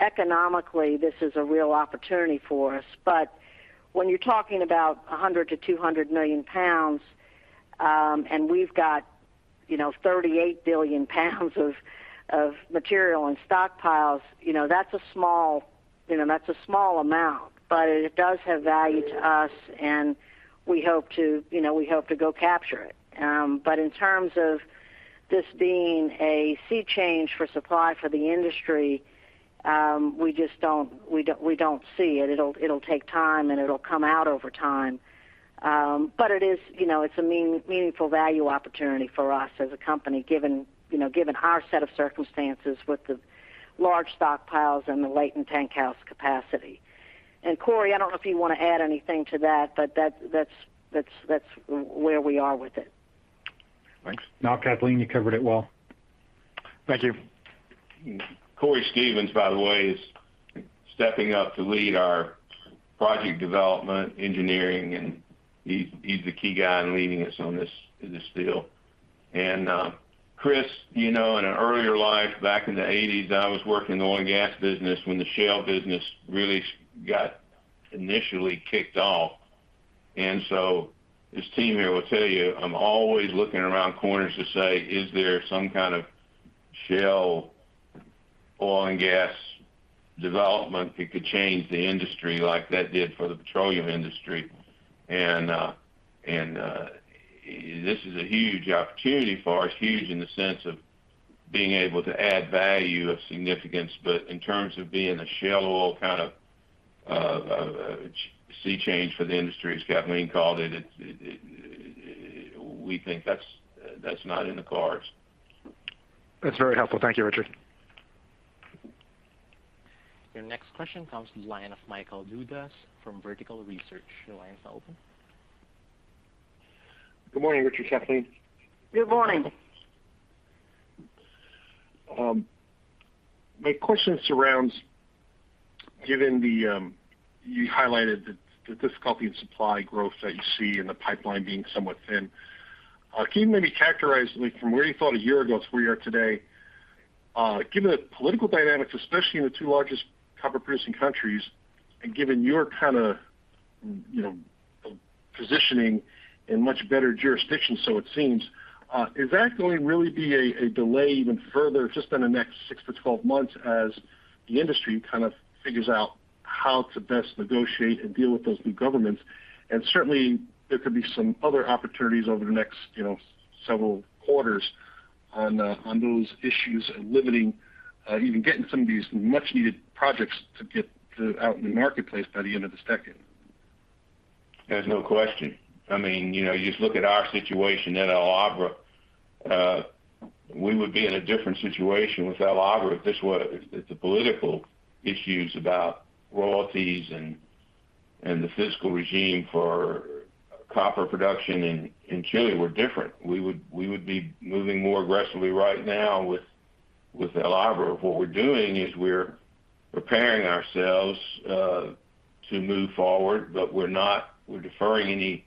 Economically, this is a real opportunity for us. When you're talking about 100 million-200 million pounds, and we've got, you know, 38 billion pounds of material and stockpiles, you know, that's a small amount. It does have value to us and we hope to, you know, we hope to go capture it. In terms of this being a sea change for supply for the industry, we just don't see it. It'll take time, and it'll come out over time. It is, you know, it's a meaningful value opportunity for us as a company given, you know, given our set of circumstances with the large stockpiles and the latent tank house capacity. Cory, I don't know if you wanna add anything to that, but that's where we are with it. Thanks. No, Kathleen, you covered it well. Thank you. Cory Stevens, by the way, is stepping up to lead our project development engineering, and he's the key guy in leading us on this deal. Chris, you know, in an earlier life back in the eighties, I was working in the oil and gas business when the shale business really got initially kicked off. This team here will tell you, I'm always looking around corners to say, "Is there some kind of shale oil and gas development that could change the industry like that did for the petroleum industry?" This is a huge opportunity for us, huge in the sense of being able to add value of significance. But in terms of being a shale oil kind of sea change for the industry, as Kathleen called it, we think that's not in the cards. That's very helpful. Thank you, Richard. Your next question comes to the line of Michael Dudas from Vertical Research. Your line's open. Good morning, Richard, Kathleen. Good morning. My question surrounds, given the you highlighted the difficulty in supply growth that you see and the pipeline being somewhat thin. Can you maybe characterize like from where you thought a year ago to where you are today, given the political dynamics, especially in the two largest copper producing countries, and given your kind of, you know, positioning in much better jurisdictions so it seems, is that going to really be a delay even further just in the next six to 12 months as the industry kind of figures out how to best negotiate and deal with those new governments? Certainly there could be some other opportunities over the next, you know, several quarters on those issues and limiting even getting some of these much needed projects out in the marketplace by the end of this decade. There's no question. I mean, you know, you just look at our situation at El Abra. We would be in a different situation with El Abra if the political issues about royalties and the fiscal regime for copper production in Chile were different. We would be moving more aggressively right now with El Abra. What we're doing is we're preparing ourselves to move forward, but we're deferring any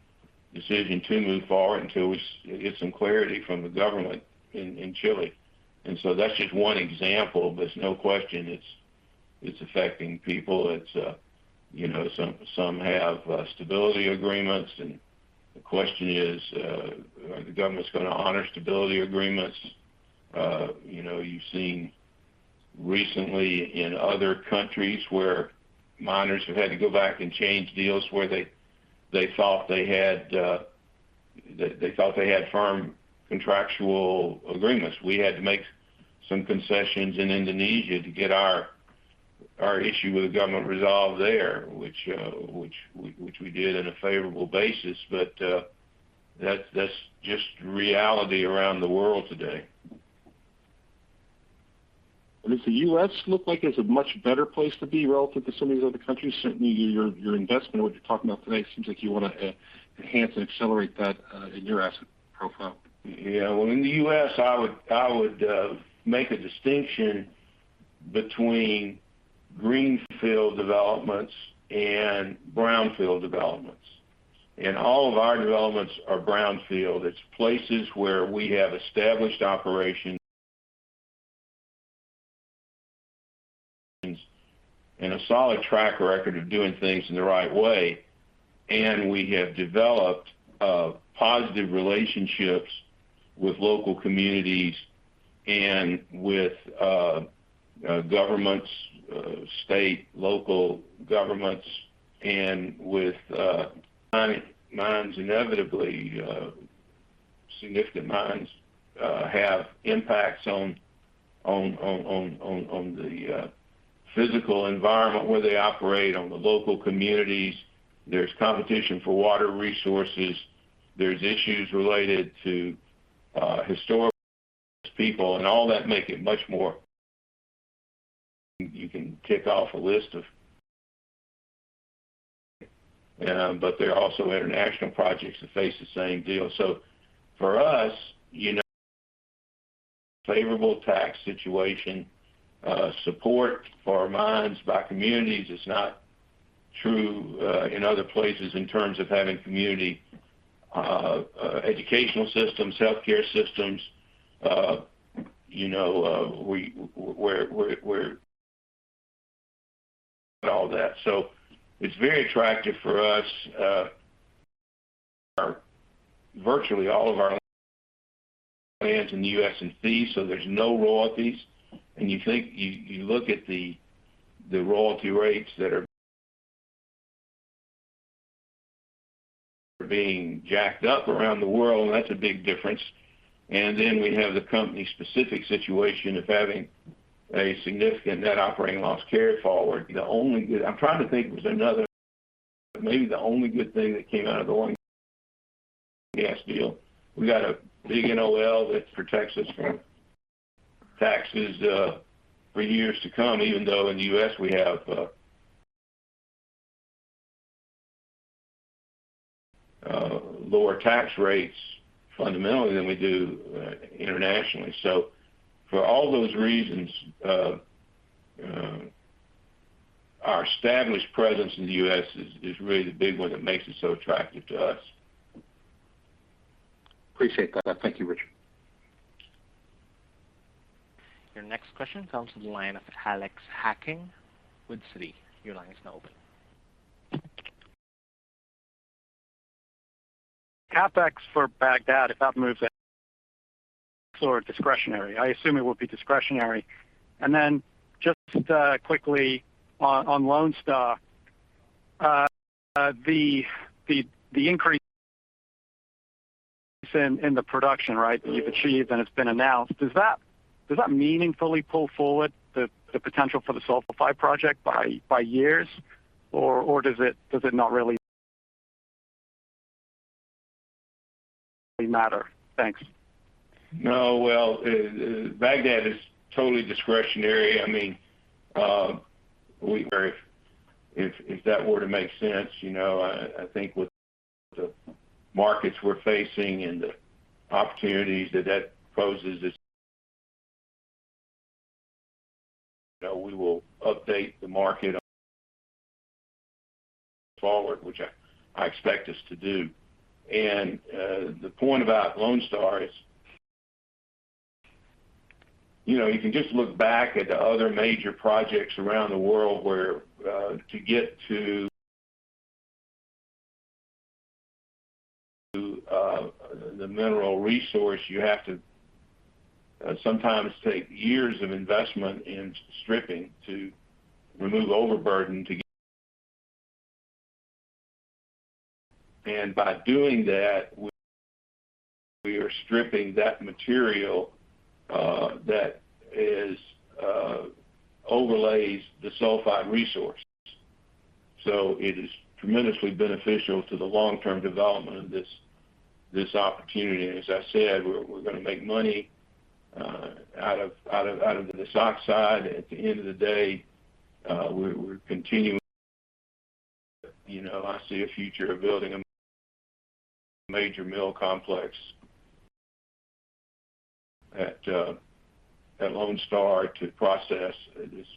decision to move forward until we get some clarity from the government in Chile. That's just one example, but there's no question it's affecting people. It's you know, some have stability agreements, and the question is, are the governments gonna honor stability agreements? You know, you've seen recently in other countries where miners have had to go back and change deals where they thought they had firm contractual agreements. We had to make some concessions in Indonesia to get our issue with the government resolved there, which we did on a favorable basis. That's just reality around the world today. Does the U.S. look like it's a much better place to be relative to some of these other countries? Certainly your investment and what you're talking about today seems like you wanna enhance and accelerate that in your asset profile. Yeah. Well, in the U.S., I would make a distinction between greenfield developments and brownfield developments. All of our developments are brownfield. It's places where we have established operations and a solid track record of doing things in the right way. We have developed positive relationships with local communities and with governments, state, local governments and with mines inevitably significant mines have impacts on the physical environment where they operate, on the local communities. There's competition for water resources. There's issues related to historic people, and all that make it much more. There are also international projects that face the same deal. For us, favorable tax situation, support for our mines by communities is not true in other places in terms of having community educational systems, healthcare systems. We're all that. It's very attractive for us, virtually all of our plans in the U.S. and FI, so there's no royalties. You look at the royalty rates that are being jacked up around the world, and that's a big difference. We have the company-specific situation of having a significant net operating loss carry-forward. Maybe the only good thing that came out of the LNG deal. We got a big NOL that protects us from taxes, for years to come, even though in the U.S. we have lower tax rates fundamentally than we do internationally. For all those reasons, our established presence in the U.S. is really the big one that makes it so attractive to us. appreciate that. Thank you, Richard. Your next question comes from the line of Alex Hacking with Citi. Your line is now open. CapEx for Bagdad, if that moves at sort of discretionary, I assume it will be discretionary. Then just quickly on Lone Star. The increase in the production, right, that you've achieved and it's been announced, does that meaningfully pull forward the potential for the sulfide project by years, or does it not really matter? Thanks. No. Well, Bagdad is totally discretionary. I mean, we would if that were to make sense, you know, I think with the markets we're facing and the opportunities that poses, you know, we will update the market going forward, which I expect us to do. The point about Lone Star is, you know, you can just look back at the other major projects around the world where to get to the mineral resource, you have to sometimes take years of investment in stripping to remove overburden. By doing that, we are stripping that material that overlies the sulfide resource. So it is tremendously beneficial to the long-term development of this opportunity. As I said, we're gonna make money out of this oxide. At the end of the day, we're continuing. You know, I see a future of building a major mill complex at Lone Star to process this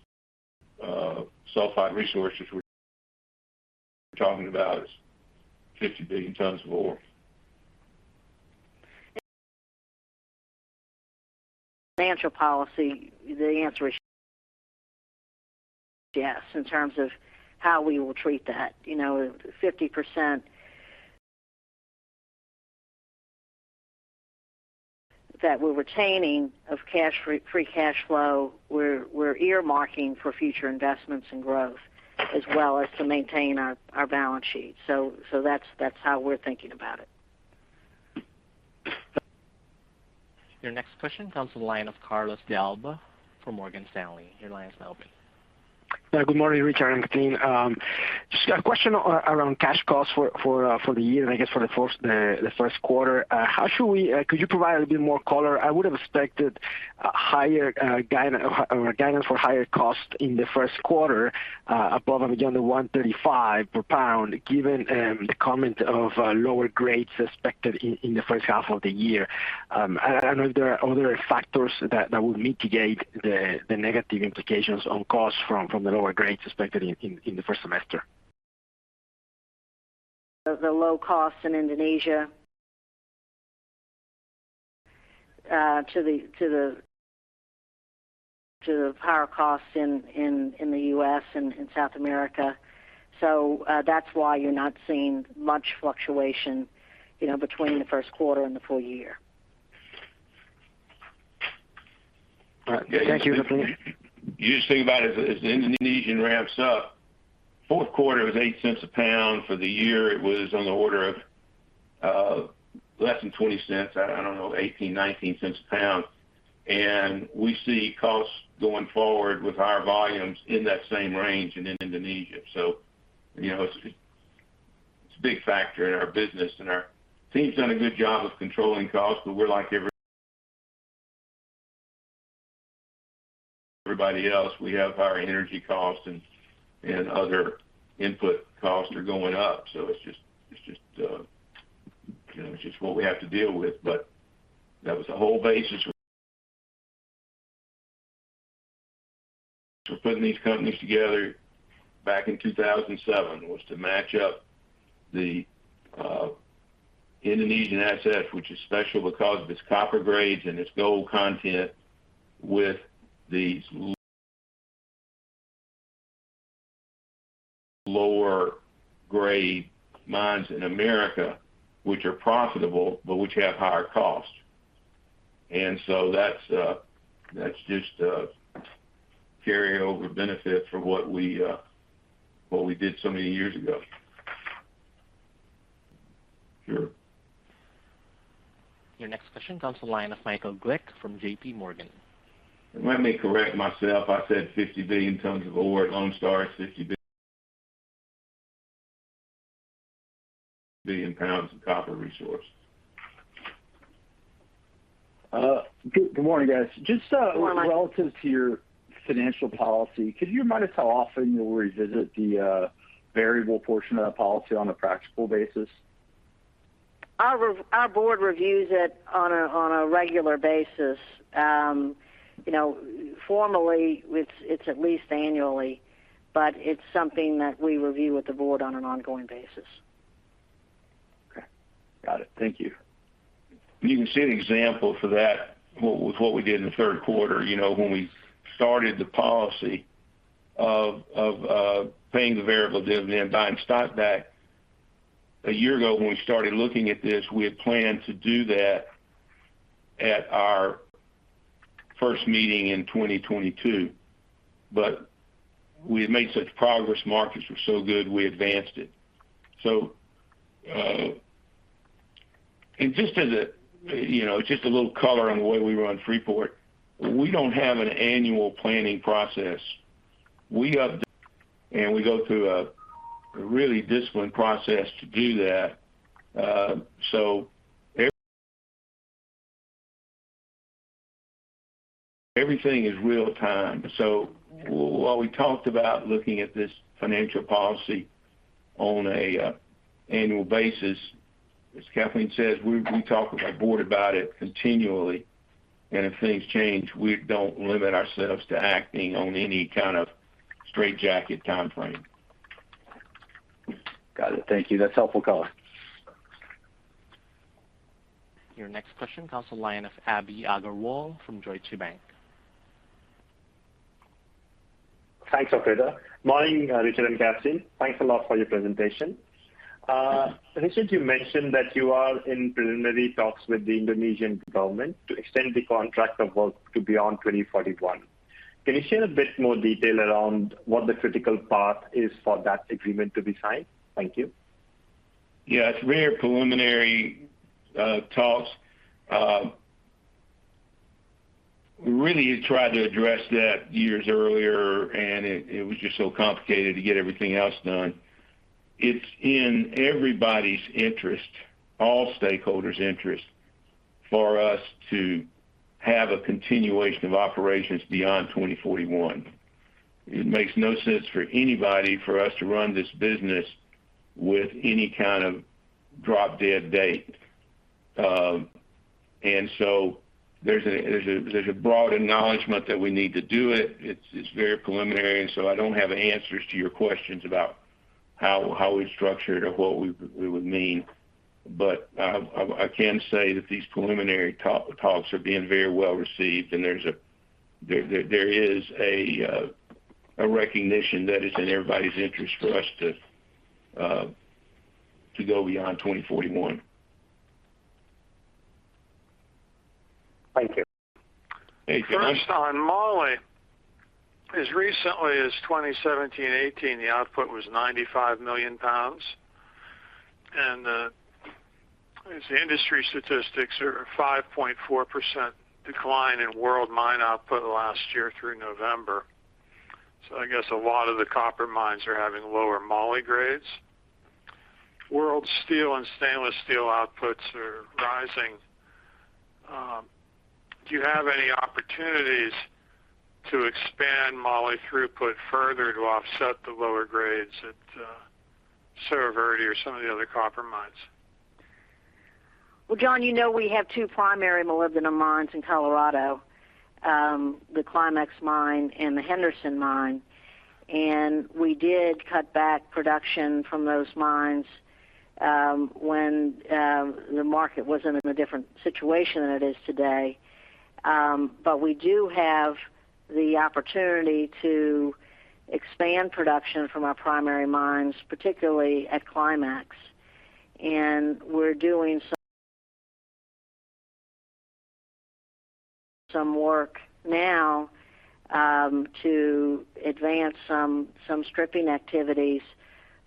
sulfide resource, which we're talking about is 50 billion tonnes of ore. Financial policy, the answer is yes in terms of how we will treat that. You know, 50% that we're retaining of cash free cash flow, we're earmarking for future investments and growth as well as to maintain our balance sheet. That's how we're thinking about it. Your next question comes to the line of Carlos de Alba from Morgan Stanley. Your line is now open. Yeah. Good morning, Richard and Kathleen. Just a question around cash costs for the year and I guess for the first quarter. Could you provide a bit more color? I would have expected a higher guidance for higher costs in the first quarter, above and beyond the $1.35 per pound, given the comment of lower grades expected in the first half of the year. Are there other factors that would mitigate the negative implications on costs from the lower grades expected in the first half? The low costs in Indonesia to the power costs in the U.S. and in South America. That's why you're not seeing much fluctuation, you know, between the first quarter and the full year. All right. Thank you, Kathleen. You just think about it as the Indonesian ramps up. Fourth quarter was $0.08 a pound. For the year, it was on the order of less than $0.20. I don't know, $0.18, $0.19 a pound. We see costs going forward with higher volumes in that same range and in Indonesia. You know, it's a big factor in our business. Our team's done a good job of controlling costs, but we're like everybody else. We have higher energy costs and other input costs are going up. It's just what we have to deal with. That was the whole basis for putting these companies together back in 2007, was to match up the Indonesian assets, which is special because of its copper grades and its gold content, with these lower grade mines in America, which are profitable but which have higher cost. That's just a carryover benefit from what we did so many years ago. Sure. Your next question comes to the line of Michael Glick from JPMorgan. Let me correct myself. I said 50 billion tonnes of ore at Lone Star. It's 50 billion pounds of copper resource. Good morning, guys. Good morning, Mike. Relative to your financial policy, could you remind us how often you'll revisit the variable portion of that policy on a practical basis? Our board reviews it on a regular basis. You know, formally it's at least annually, but it's something that we review with the board on an ongoing basis. Okay. Got it. Thank you. You can see an example for that with what we did in the third quarter, when we started the policy of paying the variable dividend, buying stock back. A year ago, when we started looking at this, we had planned to do that at our first meeting in 2022, but we had made such progress, markets were so good, we advanced it. Just a little color on the way we run Freeport, we don't have an annual planning process. We update and we go through a really disciplined process to do that. Everything is real time. While we talked about looking at this financial policy on an annual basis, as Kathleen says, we talk with our board about it continually. If things change, we don't limit ourselves to acting on any kind of straitjacket timeframe. Got it. Thank you. That's helpful color. Your next question comes from the line of Abhi Agarwal from Deutsche Bank. Thanks, Operator. Morning, Richard and Kathleen. Thanks a lot for your presentation. Richard, you mentioned that you are in preliminary talks with the Indonesian government to extend the contract of work to beyond 2041. Can you share a bit more detail around what the critical path is for that agreement to be signed? Thank you. Yeah. It's very preliminary talks. We really tried to address that years earlier, and it was just so complicated to get everything else done. It's in everybody's interest, all stakeholders' interest, for us to have a continuation of operations beyond 2041. It makes no sense for anybody for us to run this business with any kind of drop-dead date. There's a broad acknowledgment that we need to do it. It's very preliminary, and so I don't have answers to your questions about how we structure it or what we would mean. But I can say that these preliminary talks are being very well received, and there is a recognition that it's in everybody's interest for us to go beyond 2041. Thank you. Thank you. First on moly. As recently as 2017, 2018, the output was 95 million pounds. As the industry statistics are a 5.4% decline in world mine output last year through November. I guess a lot of the copper mines are having lower moly grades. World steel and stainless steel outputs are rising. Do you have any opportunities to expand moly throughput further to offset the lower grades at Cerro Verde or some of the other copper mines? Well, John, you know we have two primary molybdenum mines in Colorado, the Climax mine and the Henderson mine. We did cut back production from those mines, when the market was in a different situation than it is today. We do have the opportunity to expand production from our primary mines, particularly at Climax. We're doing some work now to advance some stripping activities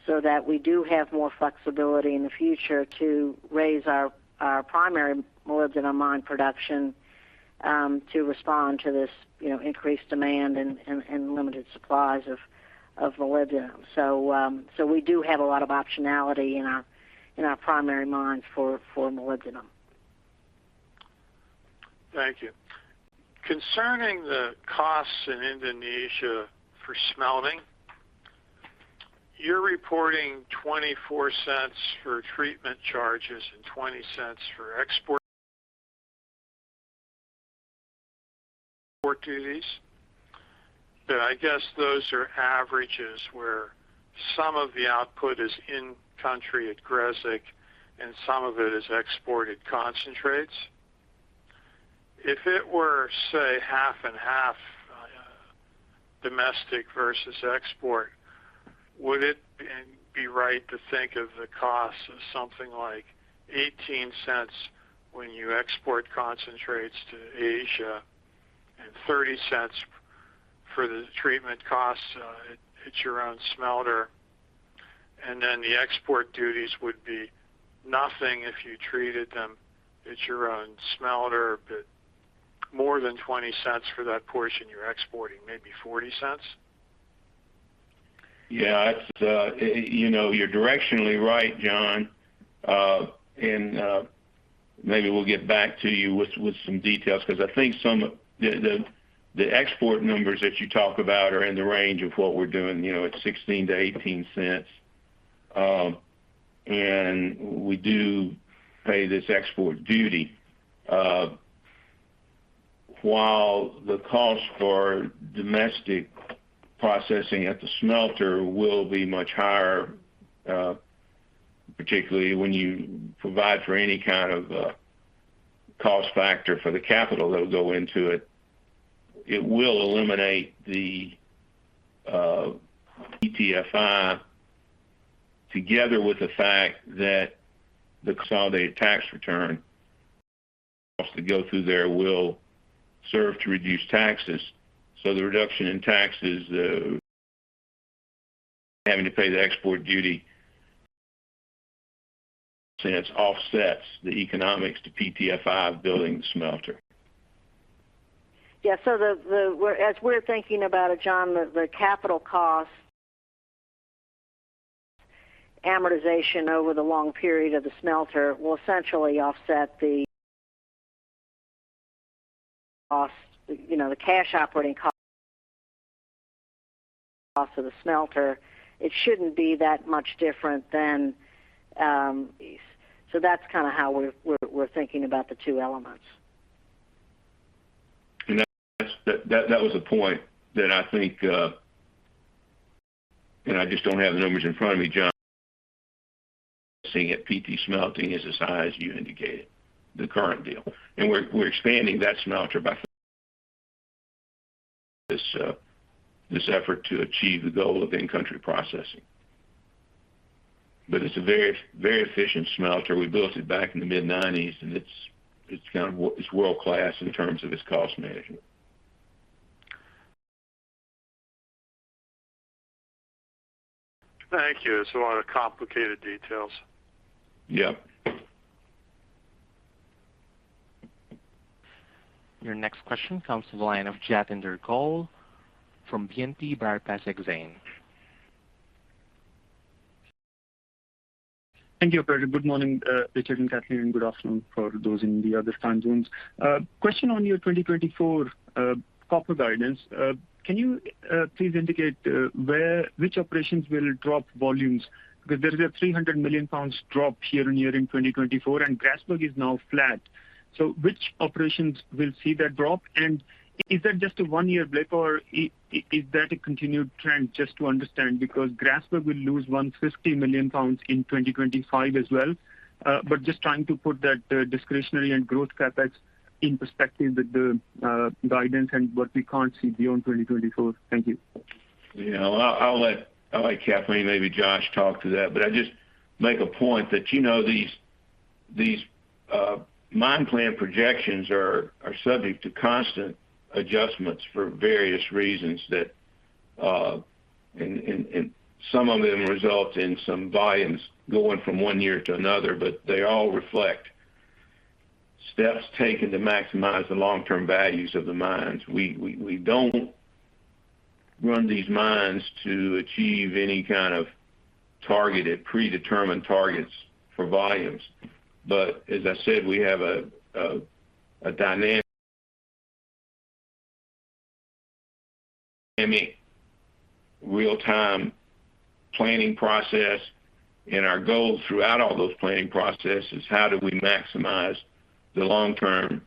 so that we do have more flexibility in the future to raise our primary molybdenum mine production to respond to this, you know, increased demand and limited supplies of molybdenum. We do have a lot of optionality in our primary mines for molybdenum. Thank you. Concerning the costs in Indonesia for smelting, you're reporting $0.24 for treatment charges and $0.20 for export duties. I guess those are averages where some of the output is in country at Gresik and some of it is exported concentrates. If it were, say, half and half, domestic versus export, would it be right to think of the cost as something like $0.18 when you export concentrates to Asia and $0.30 for the treatment costs, at your own smelter? The export duties would be nothing if you treated them at your own smelter, but more than $0.20 for that portion you're exporting, maybe $0.40? Yeah. It's, you know, you're directionally right, John. Maybe we'll get back to you with some details because I think some of the export numbers that you talk about are in the range of what we're doing, you know, at $0.16-$0.18. We do pay this export duty. While the cost for domestic processing at the smelter will be much higher, particularly when you provide for any kind of a cost factor for the capital that'll go into it. It will eliminate the PTFI together with the fact that the consolidated tax return costs to go through there will serve to reduce taxes. The reduction in taxes, having to pay the export duty, since offsets the economics to PTFI building the smelter. Yeah. The capital cost amortization over the long period of the smelter will essentially offset the cost, you know, the cash operating cost of the smelter. It shouldn't be that much different than these. That's kinda how we're thinking about the two elements. That was the point that I think and I just don't have the numbers in front of me, John. Seeing if PT Smelting is the size you indicated, the current deal. We're expanding that smelter by this effort to achieve the goal of in-country processing. But it's a very efficient smelter. We built it back in the mid-1990s, and it's kind of it's world-class in terms of its cost management. Thank you. It's a lot of complicated details. Yep. Your next question comes to the line of Jatinder Goel from Exane BNP Paribas. Thank you. Good morning, Richard Adkerson and Kathleen Quirk, good afternoon for those in the other time zones. Question on your 2024 copper guidance. Can you please indicate which operations will drop volumes? Because there is a 300 million pounds drop year-over-year in 2024, and Grasberg is now flat. Which operations will see that drop? And is that just a one-year blip, or is that a continued trend, just to understand? Because Grasberg will lose 150 million pounds in 2025 as well. But just trying to put that discretionary and growth CapEx in perspective with the guidance and what we can't see beyond 2024. Thank you. Yeah. I'll let Kathleen, maybe Josh talk to that. I'd just make a point that, you know, these mine plan projections are subject to constant adjustments for various reasons, and some of them result in some volumes going from one year to another, but they all reflect steps taken to maximize the long-term values of the mines. We don't run these mines to achieve any kind of targeted, predetermined targets for volumes. As I said, we have a dynamic real-time planning process, and our goal throughout all those planning processes, how do we maximize the long-term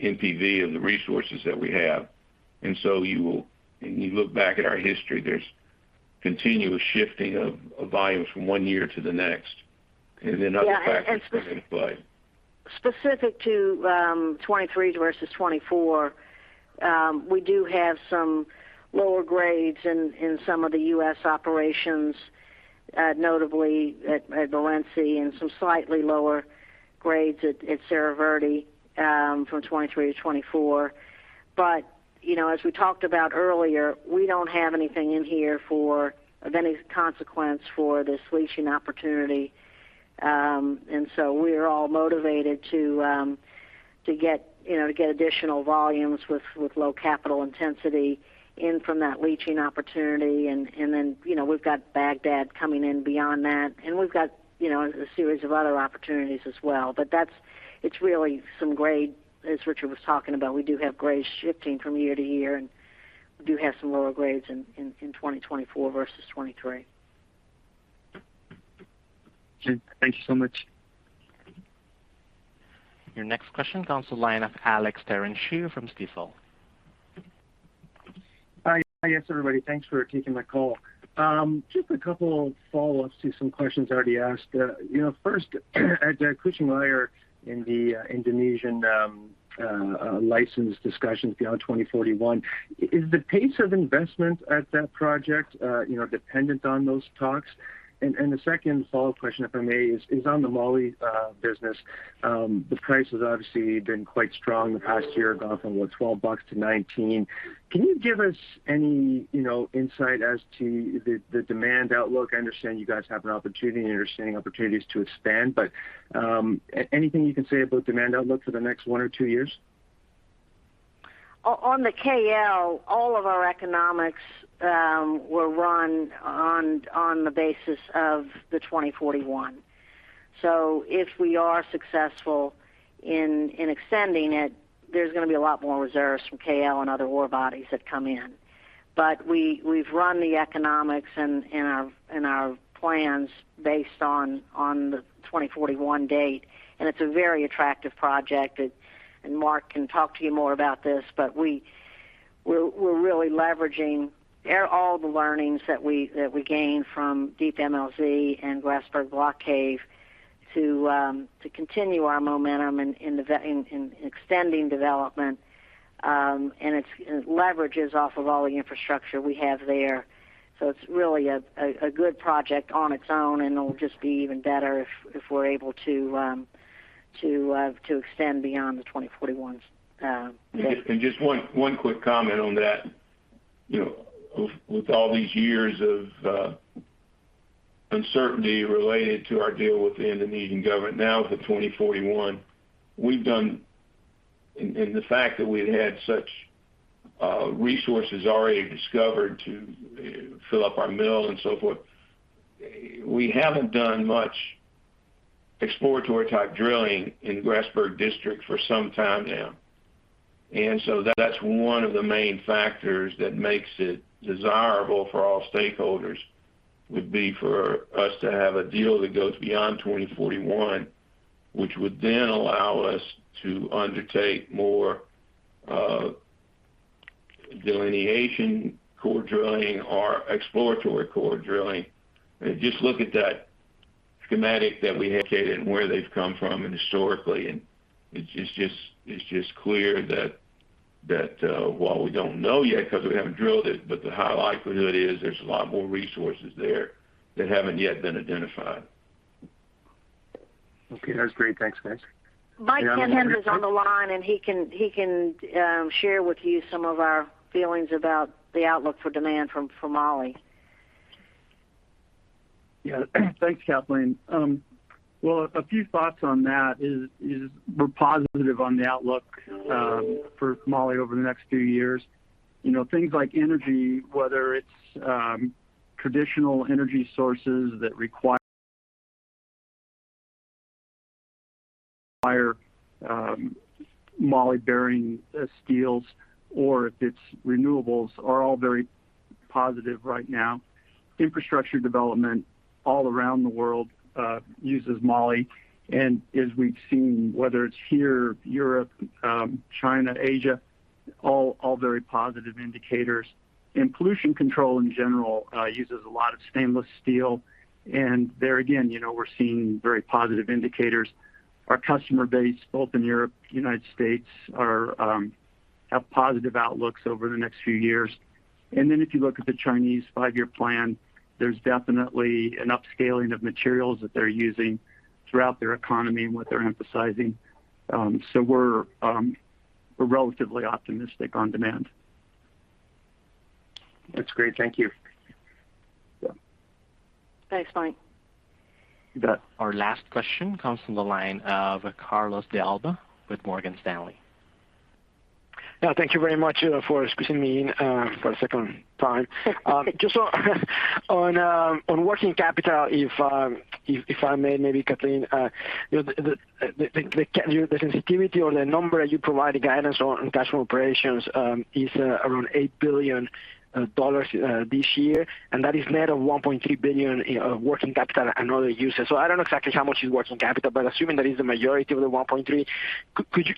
NPV of the resources that we have. You will, when you look back at our history, there's continuous shifting of volumes from one year to the next. Then other factors come into play. Specific to 2023 versus 2024, we do have some lower grades in some of the U.S. operations, notably at Morenci and some slightly lower grades at Cerro Verde, from 2023 to 2024. You know, as we talked about earlier, we don't have anything in here of any consequence for this leaching opportunity. We're all motivated to get you know to get additional volumes with low capital intensity in from that leaching opportunity. Then, you know, we've got Bagdad coming in beyond that. We've got you know a series of other opportunities as well. That's it really some grade, as Richard was talking about. We do have grades shifting from year to year, and we do have some lower grades in 2024 versus 2023. Okay. Thank you so much. Your next question comes to line of Alex Terentiew from Stifel. Hi. Yes, everybody. Thanks for taking my call. Just a couple follow-ups to some questions already asked. You know, first, at the Kucing Liar in the Indonesian license discussions beyond 2041, is the pace of investment at that project, you know, dependent on those talks? And the second follow-up question, if I may, is on the moly business. The price has obviously been quite strong the past year, gone from, what, $12 to $19. Can you give us any, you know, insight as to the demand outlook? I understand you guys have an opportunity and you're seeing opportunities to expand. But anything you can say about demand outlook for the next one or two years? On the KL, all of our economics were run on the basis of the 2041. If we are successful in extending it, there's gonna be a lot more reserves from KL and other ore bodies that come in. But we've run the economics and our plans based on the 2041 date, and it's a very attractive project. It and Mark can talk to you more about this, but we're really leveraging all the learnings that we gained from Deep MLZ and Grasberg Block Cave to continue our momentum in extending development. It leverages off of all the infrastructure we have there. It's really a good project on its own, and it'll just be even better if we're able to extend beyond the 2041 date. Just one quick comment on that. You know, with all these years of uncertainty related to our deal with the Indonesian government now to 2041, we've done. And the fact that we had such resources already discovered to fill up our mill and so forth, we haven't done much exploratory type drilling in Grasberg District for some time now. That's one of the main factors that makes it desirable for all stakeholders, would be for us to have a deal that goes beyond 2041, which would then allow us to undertake more delineation core drilling or exploratory core drilling. Just look at that schematic that we indicated and where they've come from historically, and it's just clear that while we don't know yet because we haven't drilled it, but the high likelihood is there's a lot more resources there that haven't yet been identified. Okay, that's great. Thanks, guys. Mike Kendrick is on the line, and he can share with you some of our feelings about the outlook for demand for moly. Yeah. Thanks, Kathleen. Well, a few thoughts on that is we're positive on the outlook for moly over the next few years. You know, things like energy, whether it's traditional energy sources that require moly-bearing steels or if it's renewables are all very positive right now. Infrastructure development all around the world uses moly. As we've seen, whether it's here, Europe, China, Asia, all very positive indicators. Pollution control in general uses a lot of stainless steel. There again, you know, we're seeing very positive indicators. Our customer base, both in Europe, United States, are have positive outlooks over the next few years. Then if you look at the Chinese Five-Year Plan, there's definitely an upscaling of materials that they're using throughout their economy and what they're emphasizing. We're relatively optimistic on demand. That's great. Thank you. Yeah. Thanks, Mike. You bet. Our last question comes from the line of Carlos de Alba with Morgan Stanley. Yeah. Thank you very much for squeezing me in for a second time. Just on working capital, if I may, Kathleen. The sensitivity on the number you provide guidance on cash from operations is around $8 billion this year, and that is net of $1.3 billion working capital and other uses. I don't know exactly how much is working capital, but assuming that is the majority of the $1.3 billion,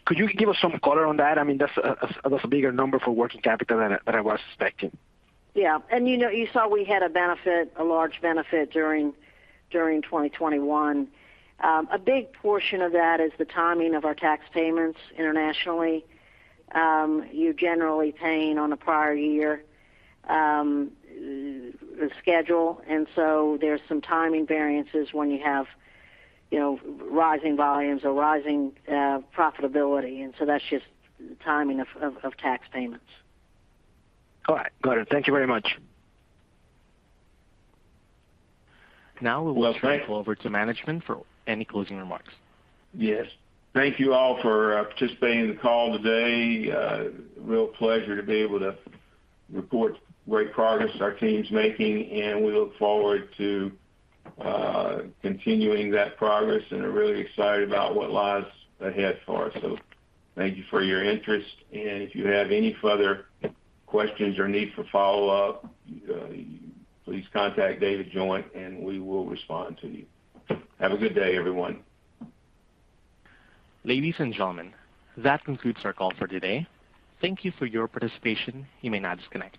could you give us some color on that? I mean, that's a bigger number for working capital than I was expecting. You know, you saw we had a benefit, a large benefit during 2021. A big portion of that is the timing of our tax payments internationally. You generally paying on a prior year schedule. There's some timing variances when you have, you know, rising volumes or rising profitability. That's just timing of tax payments. All right. Got it. Thank you very much. Now we will. Well. Turn it over to management for any closing remarks. Yes. Thank you all for participating in the call today. Real pleasure to be able to report great progress our team's making, and we look forward to continuing that progress, and are really excited about what lies ahead for us. Thank you for your interest, and if you have any further questions or need for follow-up, please contact David Joint, and we will respond to you. Have a good day, everyone. Ladies and gentlemen, that concludes our call for today. Thank you for your participation. You may now disconnect.